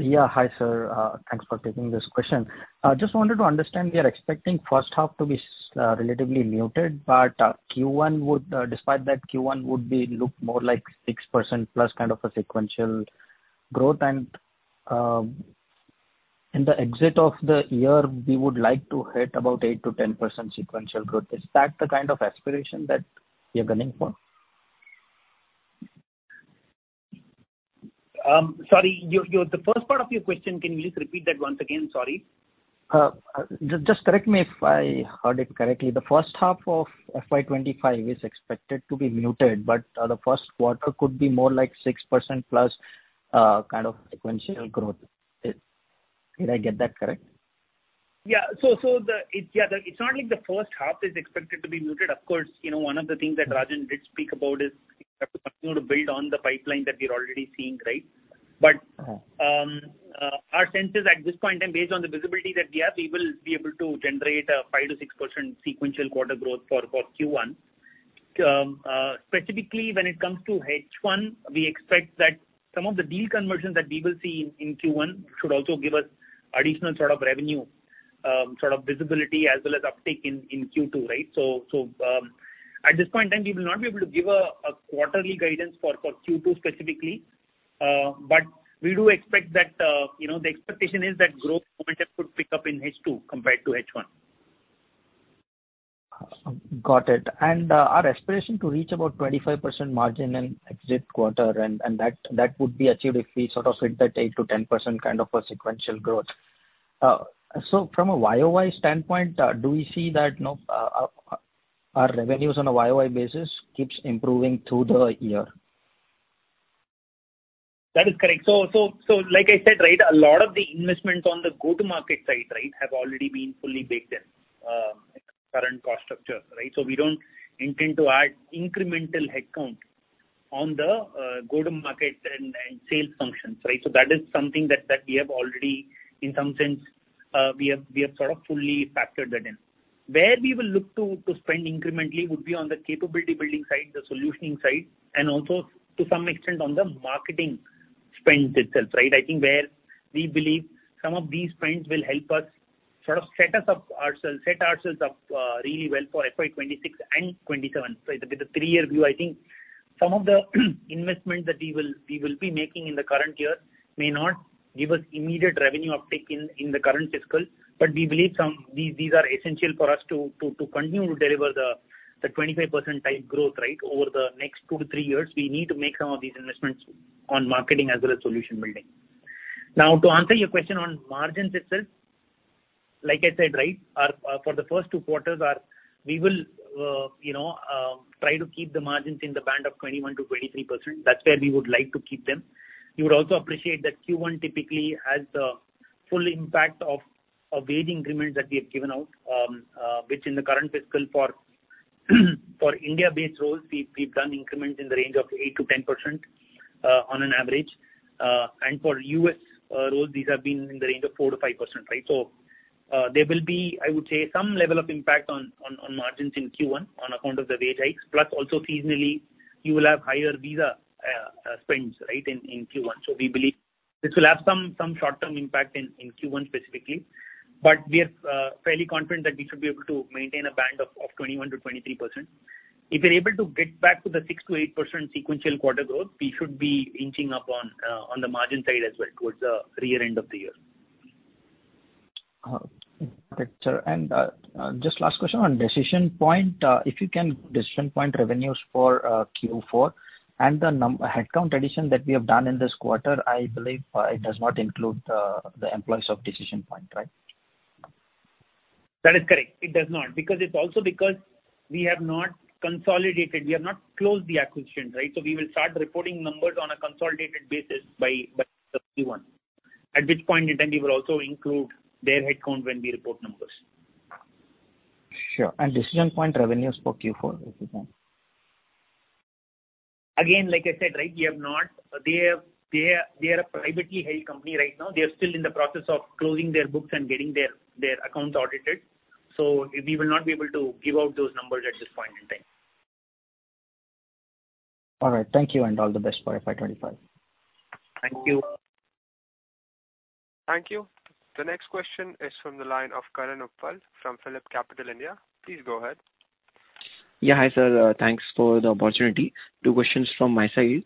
Yeah. Hi, sir. Thanks for taking this question. I just wanted to understand, we are expecting first half to be relatively muted, but Q1 would, despite that, Q1 would be look more like 6%+ kind of a sequential growth. And, in the exit of the year, we would like to hit about 8%-10% sequential growth. Is that the kind of aspiration that you're gunning for? Sorry, the first part of your question, can you just repeat that once again? Sorry. Just correct me if I heard it correctly. The first half of FY 2025 is expected to be muted, but the first quarter could be more like 6%+ kind of sequential growth. Did I get that correct? Yeah. So it's not like the first half is expected to be muted. Of course, you know, one of the things that Rajan did speak about is, we have to continue to build on the pipeline that we're already seeing, right? Mm-hmm. But our sense is, at this point in time, based on the visibility that we have, we will be able to generate a 5%-6% sequential quarter growth for Q1. Specifically, when it comes to H1, we expect that some of the deal conversions that we will see in Q1 should also give us additional sort of revenue sort of visibility as well as uptake in Q2, right? So at this point in time, we will not be able to give a quarterly guidance for Q2 specifically. But we do expect that, you know, the expectation is that growth momentum could pick up in H2 compared to H1. Got it. Our aspiration to reach about 25% margin in exit quarter, and that would be achieved if we sort of hit that 8%-10% kind of a sequential growth. So from a YOY standpoint, do we see that, you know, our revenues on a YOY basis keeps improving through the year? That is correct. So, like I said, right, a lot of the investments on the go-to-market side, right, have already been fully baked in current cost structure, right? So we don't intend to add incremental headcount on the go-to-market and sales functions, right? So that is something that we have already... in some sense, we have sort of fully factored that in. Where we will look to spend incrementally would be on the capability building side, the solutioning side, and also to some extent on the marketing spend itself, right? I think where we believe some of these spends will help us sort of set us up ourselves, set ourselves up really well for FY 2026 and 2027. So with the three-year view, I think some of the investments that we will be making in the current year may not give us immediate revenue uptake in the current fiscal, but we believe these are essential for us to continue to deliver the 25% type growth, right? Over the next two to three years, we need to make some of these investments on marketing as well as solution building. Now, to answer your question on margins itself, like I said, right, our for the first two quarters we will, you know, try to keep the margins in the band of 21%-23%. That's where we would like to keep them. You would also appreciate that Q1 typically has the full impact of wage increments that we have given out, which in the current fiscal for India-based roles, we've done increments in the range of 8%-10%.... on an average. And for US roles, these have been in the range of 4%-5%, right? So, there will be, I would say, some level of impact on margins in Q1 on account of the wage hikes, plus also seasonally, you will have higher visa spends, right, in Q1. So we believe this will have some short-term impact in Q1 specifically, but we are fairly confident that we should be able to maintain a band of 21%-23%. If we're able to get back to the 6%-8% sequential quarter growth, we should be inching up on the margin side as well, towards the rear end of the year. Okay, sir. Just last question on Decision Point. If you can, Decision Point revenues for Q4 and the headcount addition that we have done in this quarter, I believe it does not include the employees of Decision Point, right? That is correct. It does not, because it's also because we have not consolidated, we have not closed the acquisition, right? So we will start reporting numbers on a consolidated basis by, by Q1, at which point in time we will also include their headcount when we report numbers. Sure. And Decision Point revenues for Q4, if you can? Again, like I said, right, they are a privately held company right now. They are still in the process of closing their books and getting their accounts audited. So we will not be able to give out those numbers at this point in time. All right. Thank you, and all the best for FY 2025. Thank you. Thank you. The next question is from the line of Karan Uppal from Phillip Capital India. Please go ahead. Yeah. Hi, sir. Thanks for the opportunity. Two questions from my side.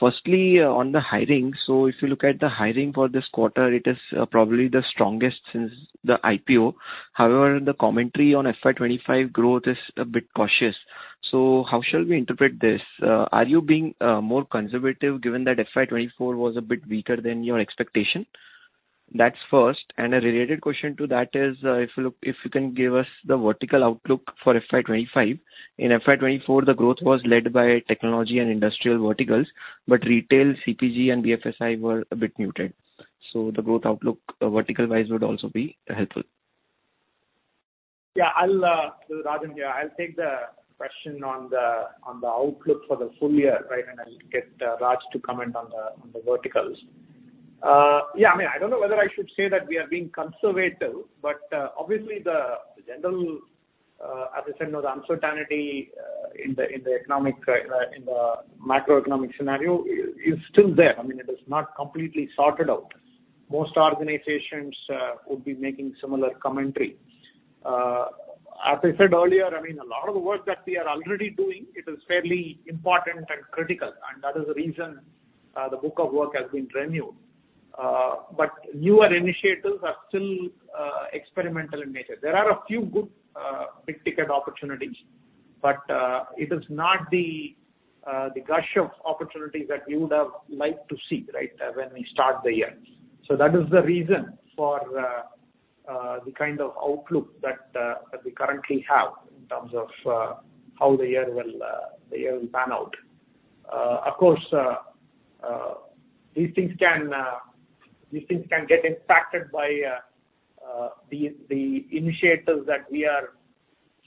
Firstly, on the hiring. So if you look at the hiring for this quarter, it is probably the strongest since the IPO. However, the commentary on FY 2025 growth is a bit cautious. So how shall we interpret this? Are you being more conservative, given that FY 2024 was a bit weaker than your expectation? That's first. And a related question to that is, if you can give us the vertical outlook for FY 2025. In FY 2024, the growth was led by technology and industrial verticals, but retail, CPG, and BFSI were a bit muted. So the growth outlook, vertical-wise, would also be helpful. Yeah, I'll... This is Rajan here. I'll take the question on the, on the outlook for the full-year, right, and I'll get, Raj to comment on the, on the verticals. Yeah, I mean, I don't know whether I should say that we are being conservative, but, obviously, the general, as I said, you know, the uncertainty, in the, in the economic, in the macroeconomic scenario is, is still there. I mean, it is not completely sorted out. Most organizations, would be making similar commentary. As I said earlier, I mean, a lot of the work that we are already doing, it is fairly important and critical, and that is the reason, the book of work has been renewed. But newer initiatives are still, experimental in nature. There are a few good big-ticket opportunities, but it is not the gush of opportunities that you would have liked to see, right, when we start the year. So that is the reason for the kind of outlook that we currently have in terms of how the year will pan out. Of course, these things can get impacted by the initiatives that we are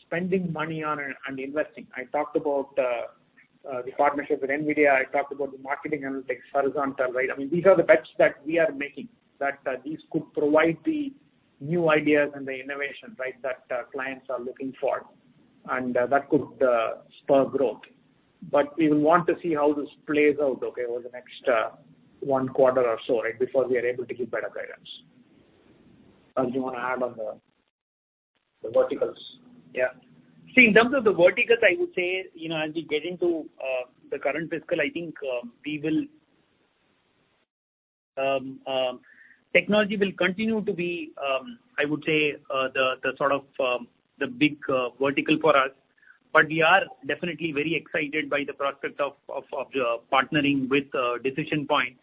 spending money on and investing. I talked about the partnership with NVIDIA. I talked about the marketing analytics horizontal, right? I mean, these are the bets that we are making, that these could provide the new ideas and the innovation, right, that clients are looking for, and that could spur growth. But we will want to see how this plays out, okay, over the next one quarter or so, right, before we are able to give better guidance. Raj, do you want to add on the verticals? Yeah. See, in terms of the verticals, I would say, you know, as we get into the current fiscal, I think, we will... technology will continue to be, I would say, the, the sort of, the big vertical for us. But we are definitely very excited by the prospect of partnering with Decision Point,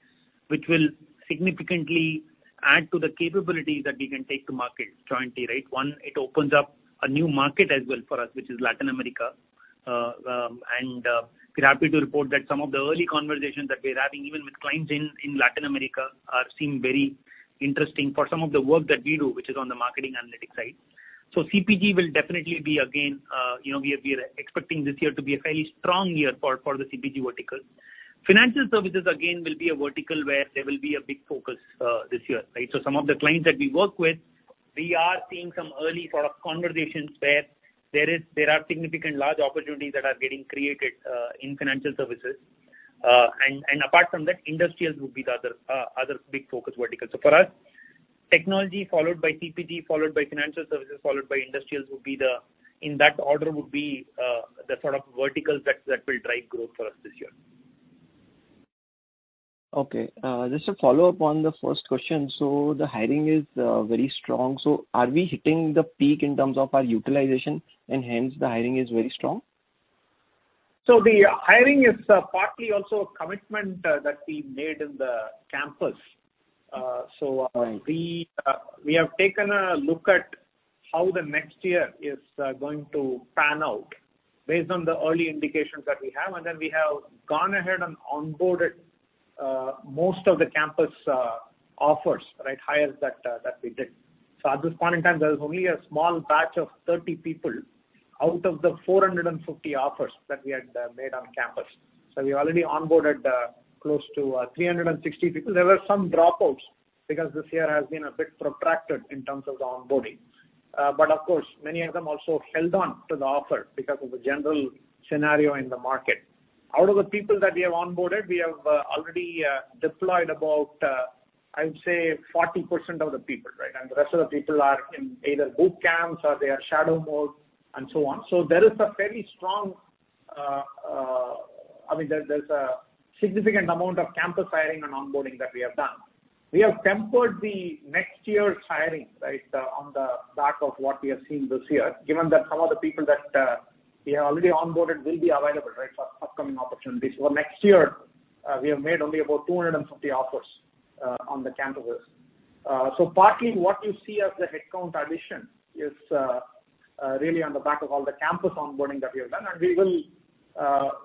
which will significantly add to the capabilities that we can take to market jointly, right? One, it opens up a new market as well for us, which is Latin America. And, we're happy to report that some of the early conversations that we're having, even with clients in Latin America, seem very interesting for some of the work that we do, which is on the marketing analytics side. So CPG will definitely be again, you know, we are, we are expecting this year to be a fairly strong year for the CPG vertical. Financial services, again, will be a vertical where there will be a big focus this year, right? So some of the clients that we work with, we are seeing some early sort of conversations where there are significant large opportunities that are getting created in financial services. And apart from that, industrials would be the other big focus vertical. So for us, technology, followed by CPG, followed by financial services, followed by industrials, would be the in that order, would be the sort of verticals that will drive growth for us this year. Okay. Just a follow-up on the first question. So the hiring is very strong. So are we hitting the peak in terms of our utilization, and hence the hiring is very strong? So the hiring is partly also a commitment that we made in the campus. So- Right. We have taken a look at how the next year is going to pan out based on the early indications that we have, and then we have gone ahead and onboarded most of the campus offers, right, hires that we did. So at this point in time, there is only a small batch of 30 people out of the 450 offers that we had made on campus. So we already onboarded close to 360 people. There were some dropouts because this year has been a bit protracted in terms of the onboarding. But of course, many of them also held on to the offer because of the general scenario in the market. Out of the people that we have onboarded, we have already deployed about, I would say 40% of the people, right? And the rest of the people are in either boot camps or they are shadow mode, and so on. So there is a very strong, I mean, there's a significant amount of campus hiring and onboarding that we have done. We have tempered the next year's hiring, right, on the back of what we have seen this year, given that some of the people that we have already onboarded will be available, right, for upcoming opportunities. For next year, we have made only about 250 offers, on the campus list. So partly what you see as the headcount addition is, really on the back of all the campus onboarding that we have done, and we will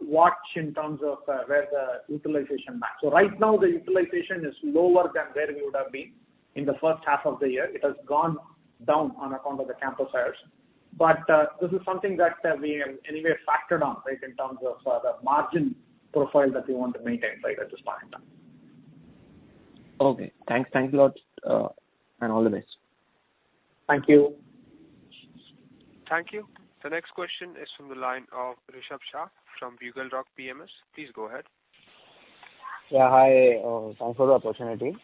watch in terms of where the utilization maps. So right now, the utilization is lower than where we would have been in the first half of the year. It has gone down on account of the campus hires. But this is something that we have anyway factored on, right, in terms of the margin profile that we want to maintain, right, at this point in time. Okay, thanks. Thank you a lot, and all the best. Thank you. Thank you. The next question is from the line of Rishabh Shah from Buglerock PMS. Please go ahead. Yeah, hi. Thanks for the opportunity.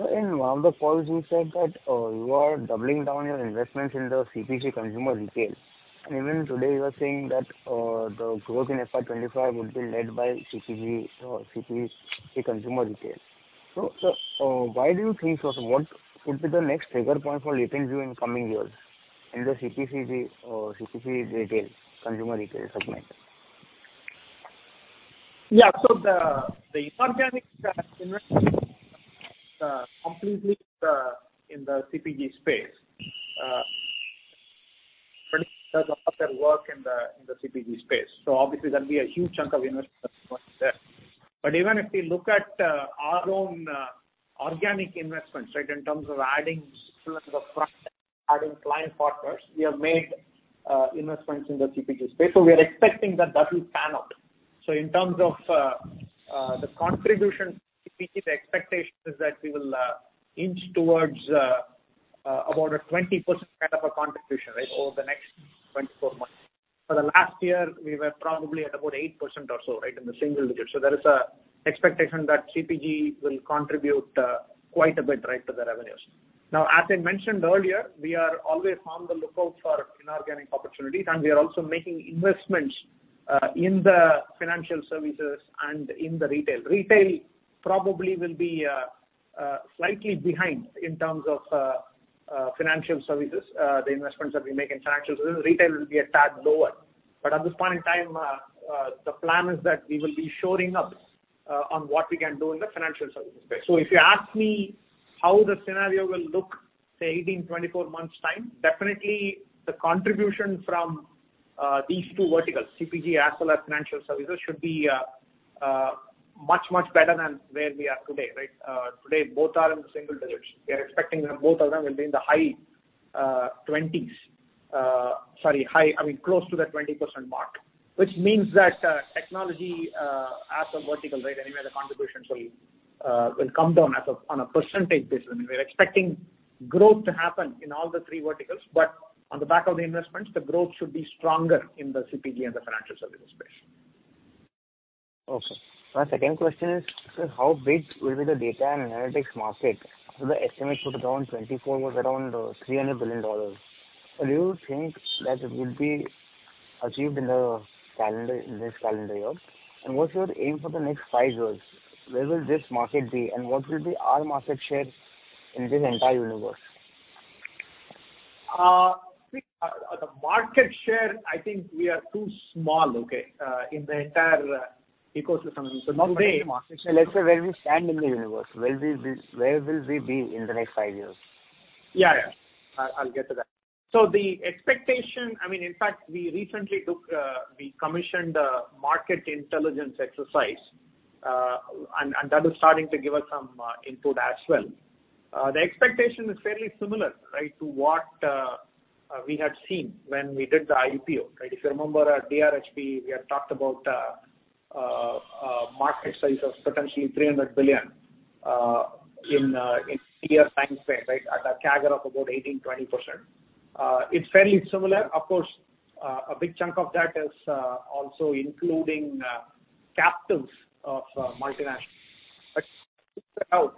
So in one of the calls, you said that you are doubling down your investments in the CPG consumer retail. And even today, you are saying that the growth in FY 2025 will be led by CPG, CPG, the consumer retail. So why do you think so? What could be the next trigger point for LatentView in coming years in the CPG, CPG retail, consumer retail segment? Yeah, so the inorganic investment completely in the CPG space does a lot of their work in the CPG space, so obviously there'll be a huge chunk of investment going there. But even if we look at our own organic investments, right, in terms of adding to the front, adding client partners, we have made investments in the CPG space. So we are expecting that that will pan out. So in terms of the contribution, CPG, the expectation is that we will inch towards about a 20% kind of a contribution, right, over the next 24 months. For the last year, we were probably at about 8% or so, right, in the single digits. So there is an expectation that CPG will contribute quite a bit, right, to the revenues. Now, as I mentioned earlier, we are always on the lookout for inorganic opportunities, and we are also making investments in the financial services and in the retail. Retail probably will be slightly behind in terms of financial services, the investments that we make in financial services. Retail will be a tad lower. But at this point in time, the plan is that we will be shoring up on what we can do in the financial services space. So if you ask me how the scenario will look, say, 18-24 months' time, definitely the contribution from these two verticals, CPG as well as financial services, should be much, much better than where we are today, right? Today, both are in the single digits. We are expecting that both of them will be in the high twenties. Sorry, high, I mean, close to the 20% mark, which means that technology as a vertical, right, anyway, the contributions will come down as a on a percentage basis. I mean, we're expecting growth to happen in all the three verticals, but on the back of the investments, the growth should be stronger in the CPG and the financial services space. Okay. My second question is: So how big will be the data and analytics market? So the estimate put around 2024 was around $300 billion. So do you think that it will be achieved in the calendar, in this calendar year? And what's your aim for the next five years? Where will this market be, and what will be our market share in this entire universe? The market share, I think we are too small, okay, in the entire ecosystem. So today- Let's say, where we stand in the universe, where will we be in the next five years? Yeah, yeah. I'll get to that. So the expectation... I mean, in fact, we recently commissioned a market intelligence exercise, and that is starting to give us some input as well. The expectation is fairly similar, right, to what we had seen when we did the IPO, right? If you remember, at DRHP, we had talked about a market size of potentially $300 billion in a three-year timeframe, right? At a CAGR of about 18-20%. It's fairly similar. Of course, a big chunk of that is also including captives of multinationals. But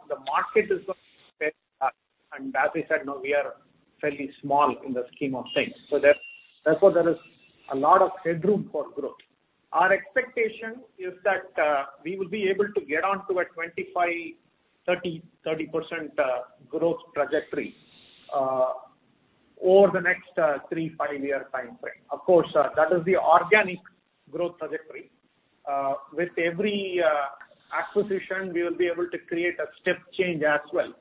the market is, and as I said, now we are fairly small in the scheme of things. So therefore, there is a lot of headroom for growth. Our expectation is that we will be able to get on to a 25-30% growth trajectory over the next three- to five-year timeframe. Of course, that is the organic growth trajectory. With every acquisition, we will be able to create a step change as well,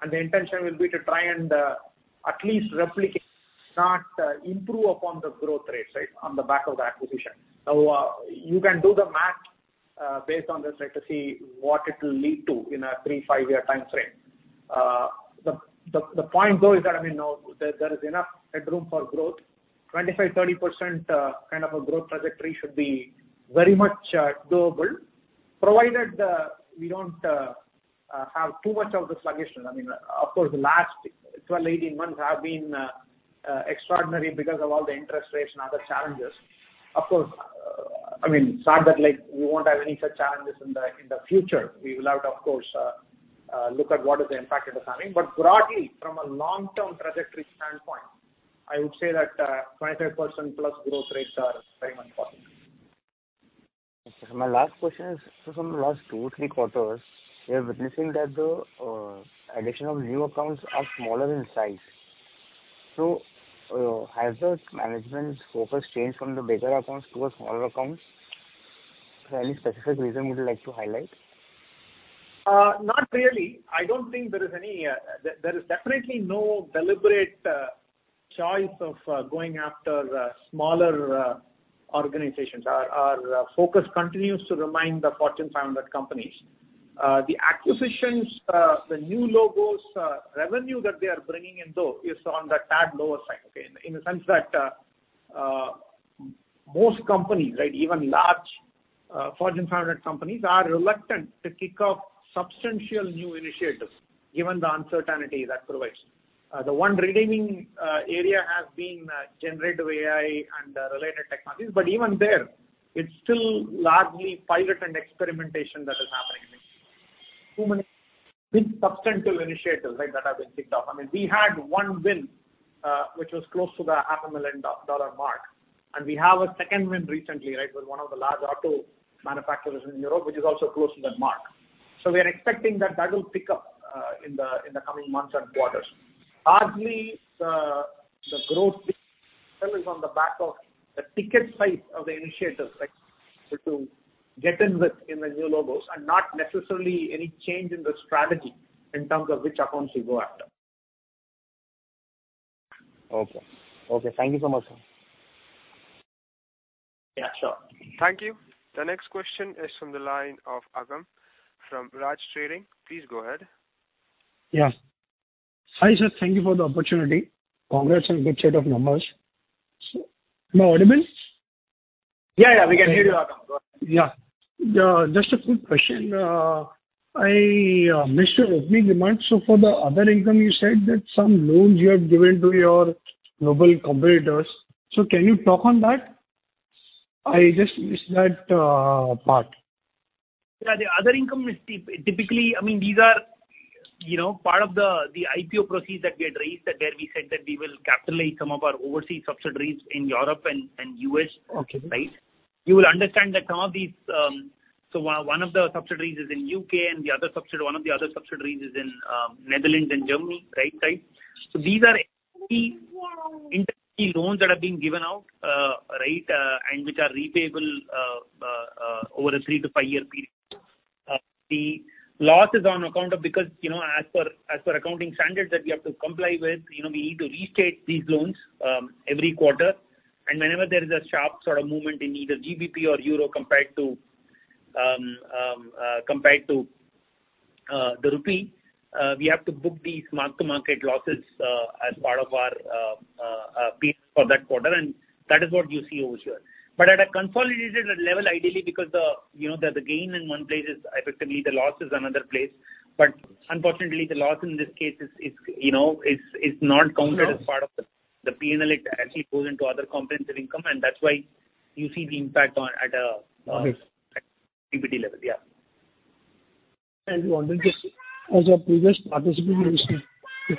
and the intention will be to try and at least replicate, if not improve upon the growth rates, right, on the back of the acquisition. Now, you can do the math based on this, right, to see what it will lead to in a three- to five-year time frame. The point, though, is that, I mean, you know, there is enough headroom for growth. 25%-30% kind of a growth trajectory should be very much doable, provided we don't have too much of the sluggishness. I mean, of course, the last 12-18 months have been extraordinary because of all the interest rates and other challenges. Of course, I mean, it's not that, like, we won't have any such challenges in the future. We will have to, of course, look at what is the impact it is having. But broadly, from a long-term trajectory standpoint, I would say that 25%+ growth rates are very much possible. Okay. My last question is, so from the last two to three quarters, we are witnessing that the addition of new accounts are smaller in size. So, has the management's focus changed from the bigger accounts to a smaller accounts? So any specific reason you would like to highlight? Not really. I don't think there is any. There is definitely no deliberate choice of going after smaller organizations. Our focus continues to remain the Fortune 500 companies. The acquisitions, the new logos, revenue that they are bringing in, though, is on the tad lower side, okay? In a sense that most companies, right, even large Fortune 500 companies, are reluctant to kick off substantial new initiatives, given the uncertainty that prevails. The one redeeming area has been generative AI and related technologies, but even there, it's still largely pilot and experimentation that is happening. Too many big, substantial initiatives, right, that have been kicked off. I mean, we had one win, which was close to the $500,000 mark, and we have a second win recently, right, with one of the large auto manufacturers in Europe, which is also close to that mark. So we are expecting that that will pick up, in the coming months and quarters. Largely, the growth is on the back of the ticket size of the initiatives, like, to get in with in the new logos and not necessarily any change in the strategy in terms of which accounts we go after. Okay. Okay, thank you so much, sir. Yeah, sure. Thank you. The next question is from the line of Agam, from Raj Trading. Please go ahead. Yeah. Hi, sir, thank you for the opportunity. Congrats on good set of numbers. Am I audible? Yeah, yeah, we can hear you, Agam. Go ahead. Yeah. Just a quick question. I missed your opening remarks. So for the other income, you said that some loans you have given to your global subsidiaries. So can you talk on that? I just missed that, part. Yeah, the other income is typically, I mean, these are, you know, part of the IPO proceeds that we had raised, that there we said that we will capitalize some of our overseas subsidiaries in Europe and US. Okay. Right? You will understand that some of these... So one of the subsidiaries is in UK, and one of the other subsidiaries is in Netherlands and Germany, right? Right. So these are the interest-free loans that have been given out, right, and which are repayable over a three- to five-year period. The loss is on account of because, you know, as per accounting standards that we have to comply with, you know, we need to restate these loans every quarter. And whenever there is a sharp sort of movement in either GBP or euro compared to the rupee, we have to book these mark-to-market losses as part of our fees for that quarter, and that is what you see over here. But at a consolidated level, ideally, because, you know, the gain in one place is effectively the loss in another place. But unfortunately, the loss in this case is, you know, not counted as part of the P&L. It actually goes into other comprehensive income, and that's why you see the impact on at a- Okay. PAT level. Yeah. I wanted to, as a previous participant, you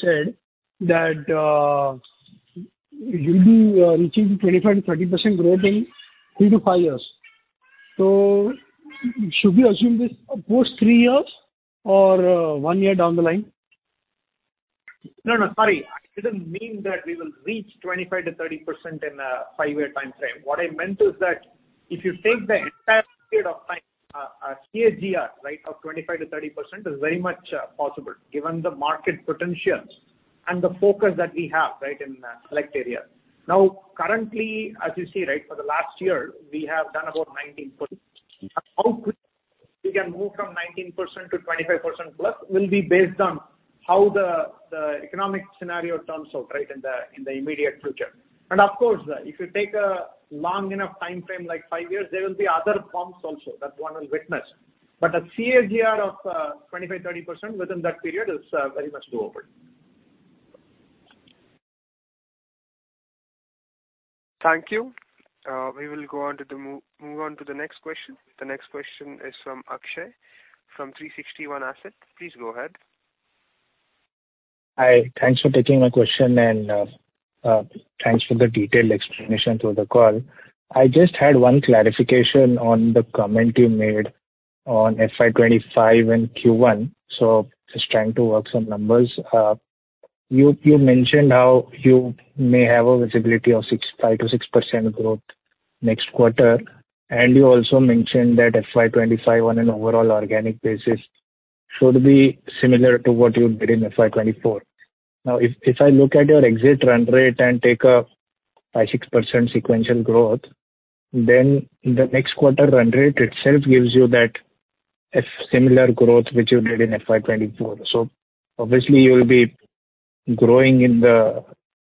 said that you'll be reaching 25%-30% growth in three to five years. So should we assume this post three years or one year down the line? No, no, sorry. I didn't mean that we will reach 25%-30% in a five-year timeframe. What I meant is that if you take the entire period of time, a CAGR, right, of 25%-30% is very much possible, given the market potential and the focus that we have, right, in the select area. Now, currently, as you see, right, for the last year, we have done about 19%. How quick we can move from 19% to 25% plus will be based on how the economic scenario turns out, right, in the immediate future. And of course, if you take a long enough timeframe, like five years, there will be other bumps also that one will witness. But a CAGR of 25-30% within that period is very much doable. Thank you. We will move on to the next question. The next question is from Akshay from 360 ONE Asset. Please go ahead. Hi. Thanks for taking my question, and thanks for the detailed explanation through the call. I just had one clarification on the comment you made on FY 2025 and Q1, so just trying to work some numbers. You mentioned how you may have a visibility of 5%-6% growth next quarter, and you also mentioned that FY 2025 on an overall organic basis should be similar to what you did in FY 2024. Now, if I look at your exit run rate and take a 5%-6% sequential growth, then the next quarter run rate itself gives you that, a similar growth which you did in FY 2024. So obviously, you will be growing in the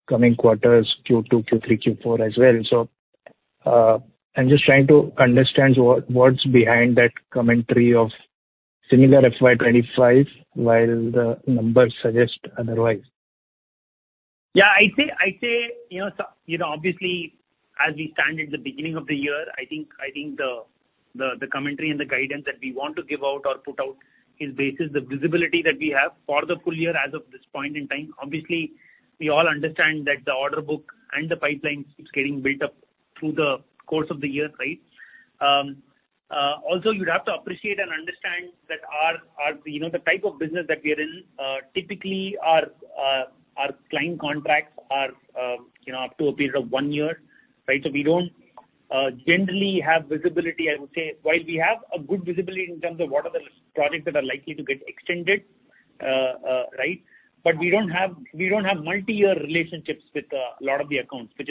coming quarters, Q2, Q3, Q4 as well. I'm just trying to understand what, what's behind that commentary of similar FY 2025, while the numbers suggest otherwise? Yeah, I'd say, you know, so, you know, obviously, as we stand at the beginning of the year, I think the commentary and the guidance that we want to give out or put out is based the visibility that we have for the full year as of this point in time. Obviously, we all understand that the order book and the pipeline keeps getting built up through the course of the year, right? Also, you'd have to appreciate and understand that our, you know, the type of business that we are in, typically our client contracts are, you know, up to a period of one year, right? So we don't generally have visibility, I would say. While we have a good visibility in terms of what are the projects that are likely to get extended, right? But we don't have multi-year relationships with a lot of the accounts. Which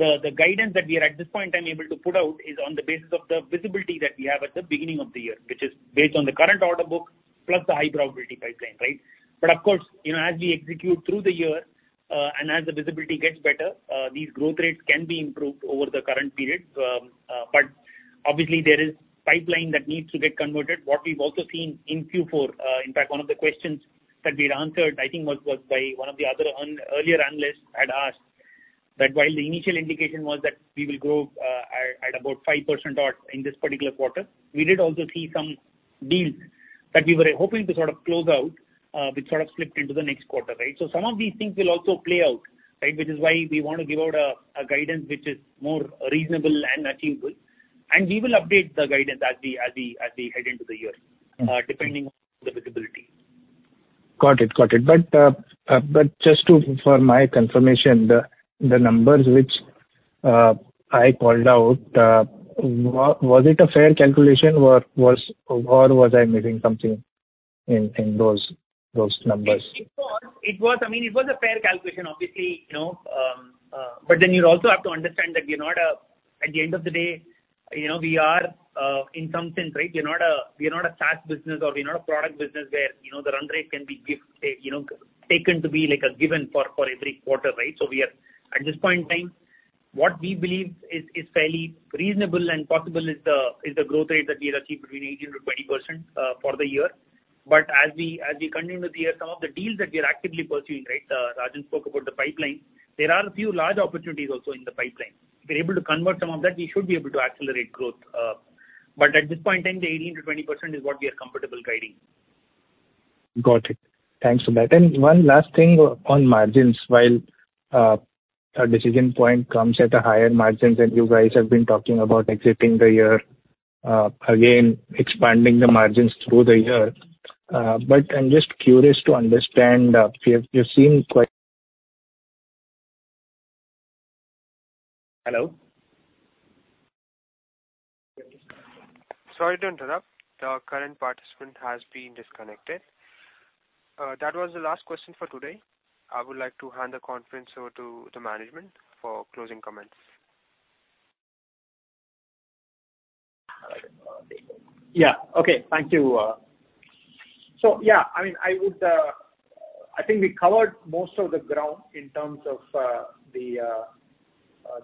is why the guidance that we are at this point in time able to put out is on the basis of the visibility that we have at the beginning of the year, which is based on the current order book, plus the high probability pipeline, right? But of course, you know, as we execute through the year, and as the visibility gets better, these growth rates can be improved over the current period. But obviously, there is pipeline that needs to get converted. What we've also seen in Q4, in fact, one of the questions that we had answered, I think, was by one of the other earlier analysts had asked. That while the initial indication was that we will grow at about 5% or in this particular quarter, we did also see some deals that we were hoping to sort of close out, which sort of slipped into the next quarter, right? So some of these things will also play out, right? Which is why we want to give out a guidance which is more reasonable and achievable, and we will update the guidance as we head into the year, depending on the visibility. Got it. Got it. But just to—for my confirmation, the numbers which I called out, was it a fair calculation or was I missing something in those numbers? It was. I mean, it was a fair calculation, obviously, you know, but then you also have to understand that we are not a—at the end of the day, you know, we are, in some sense, right, we are not a, we are not a SaaS business, or we are not a product business where, you know, the run rate can be given, you know, taken to be like a given for every quarter, right? So we are, at this point in time, what we believe is fairly reasonable and possible is the growth rate that we had achieved between 18%-20%, for the year. But as we continue with the year, some of the deals that we are actively pursuing, right? Rajan spoke about the pipeline. There are a few large opportunities also in the pipeline. If we're able to convert some of that, we should be able to accelerate growth, but at this point in time, the 18%-20% is what we are comfortable guiding. Got it. Thanks for that. And one last thing on margins. While a Decision Point comes at higher margins, and you guys have been talking about exiting the year, again, expanding the margins through the year. But I'm just curious to understand, you seem quite- Hello? Sorry to interrupt. The current participant has been disconnected. That was the last question for today. I would like to hand the conference over to the management for closing comments. Yeah. Okay. Thank you. So yeah, I mean, I would, I think we covered most of the ground in terms of,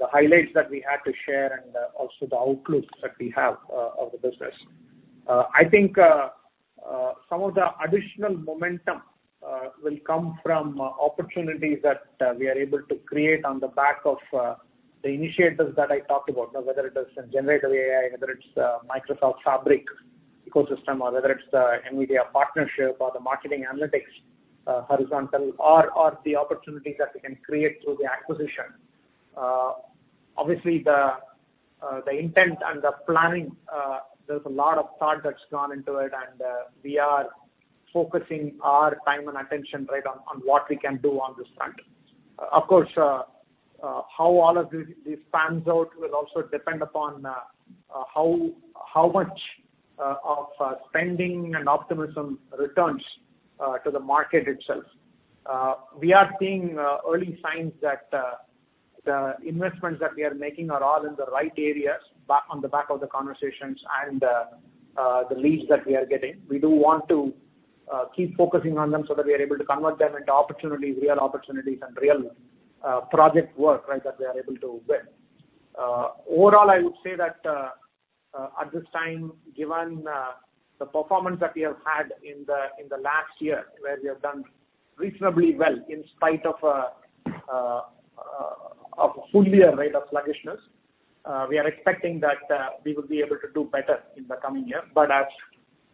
the highlights that we had to share and, also the outlook that we have, of the business. I think, some of the additional momentum, will come from, opportunities that, we are able to create on the back of, the initiatives that I talked about. Whether it is in generative AI, whether it's, Microsoft Fabric ecosystem, or whether it's the NVIDIA partnership or the marketing analytics, horizontal or, or the opportunities that we can create through the acquisition. Obviously, the intent and the planning, there's a lot of thought that's gone into it, and we are focusing our time and attention right on what we can do on this front. Of course, how all of this pans out will also depend upon how much spending and optimism returns to the market itself. We are seeing early signs that the investments that we are making are all in the right areas, on the back of the conversations and the leads that we are getting. We do want to keep focusing on them so that we are able to convert them into opportunities, real opportunities and real project work, right, that we are able to win. Overall, I would say that, at this time, given the performance that we have had in the last year, where we have done reasonably well in spite of a full-year rate of sluggishness, we are expecting that we will be able to do better in the coming year. But as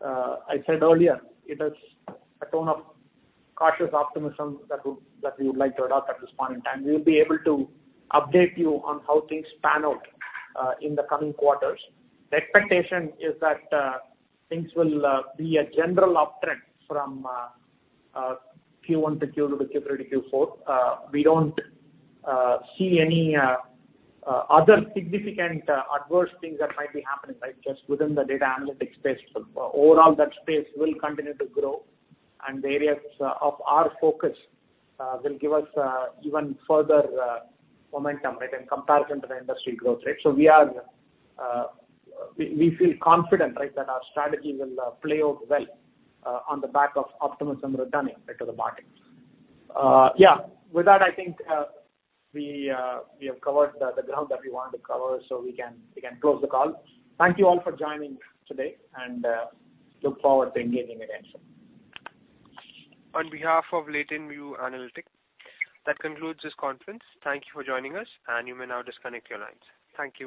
I said earlier, it is a tone of cautious optimism that we would like to adopt at this point in time. We'll be able to update you on how things pan out in the coming quarters. The expectation is that things will be a general uptrend from Q1 to Q2 to Q3 to Q4. We don't see any other significant adverse things that might be happening, right, just within the data analytics space. But overall, that space will continue to grow, and the areas of our focus will give us even further momentum, right, in comparison to the industry growth rate. So we are confident, right, that our strategy will play out well on the back of optimism returning back to the market. Yeah. With that, I think we have covered the ground that we wanted to cover, so we can close the call. Thank you all for joining today, and look forward to engaging again soon. On behalf of LatentView Analytics, that concludes this conference. Thank you for joining us, and you may now disconnect your lines. Thank you.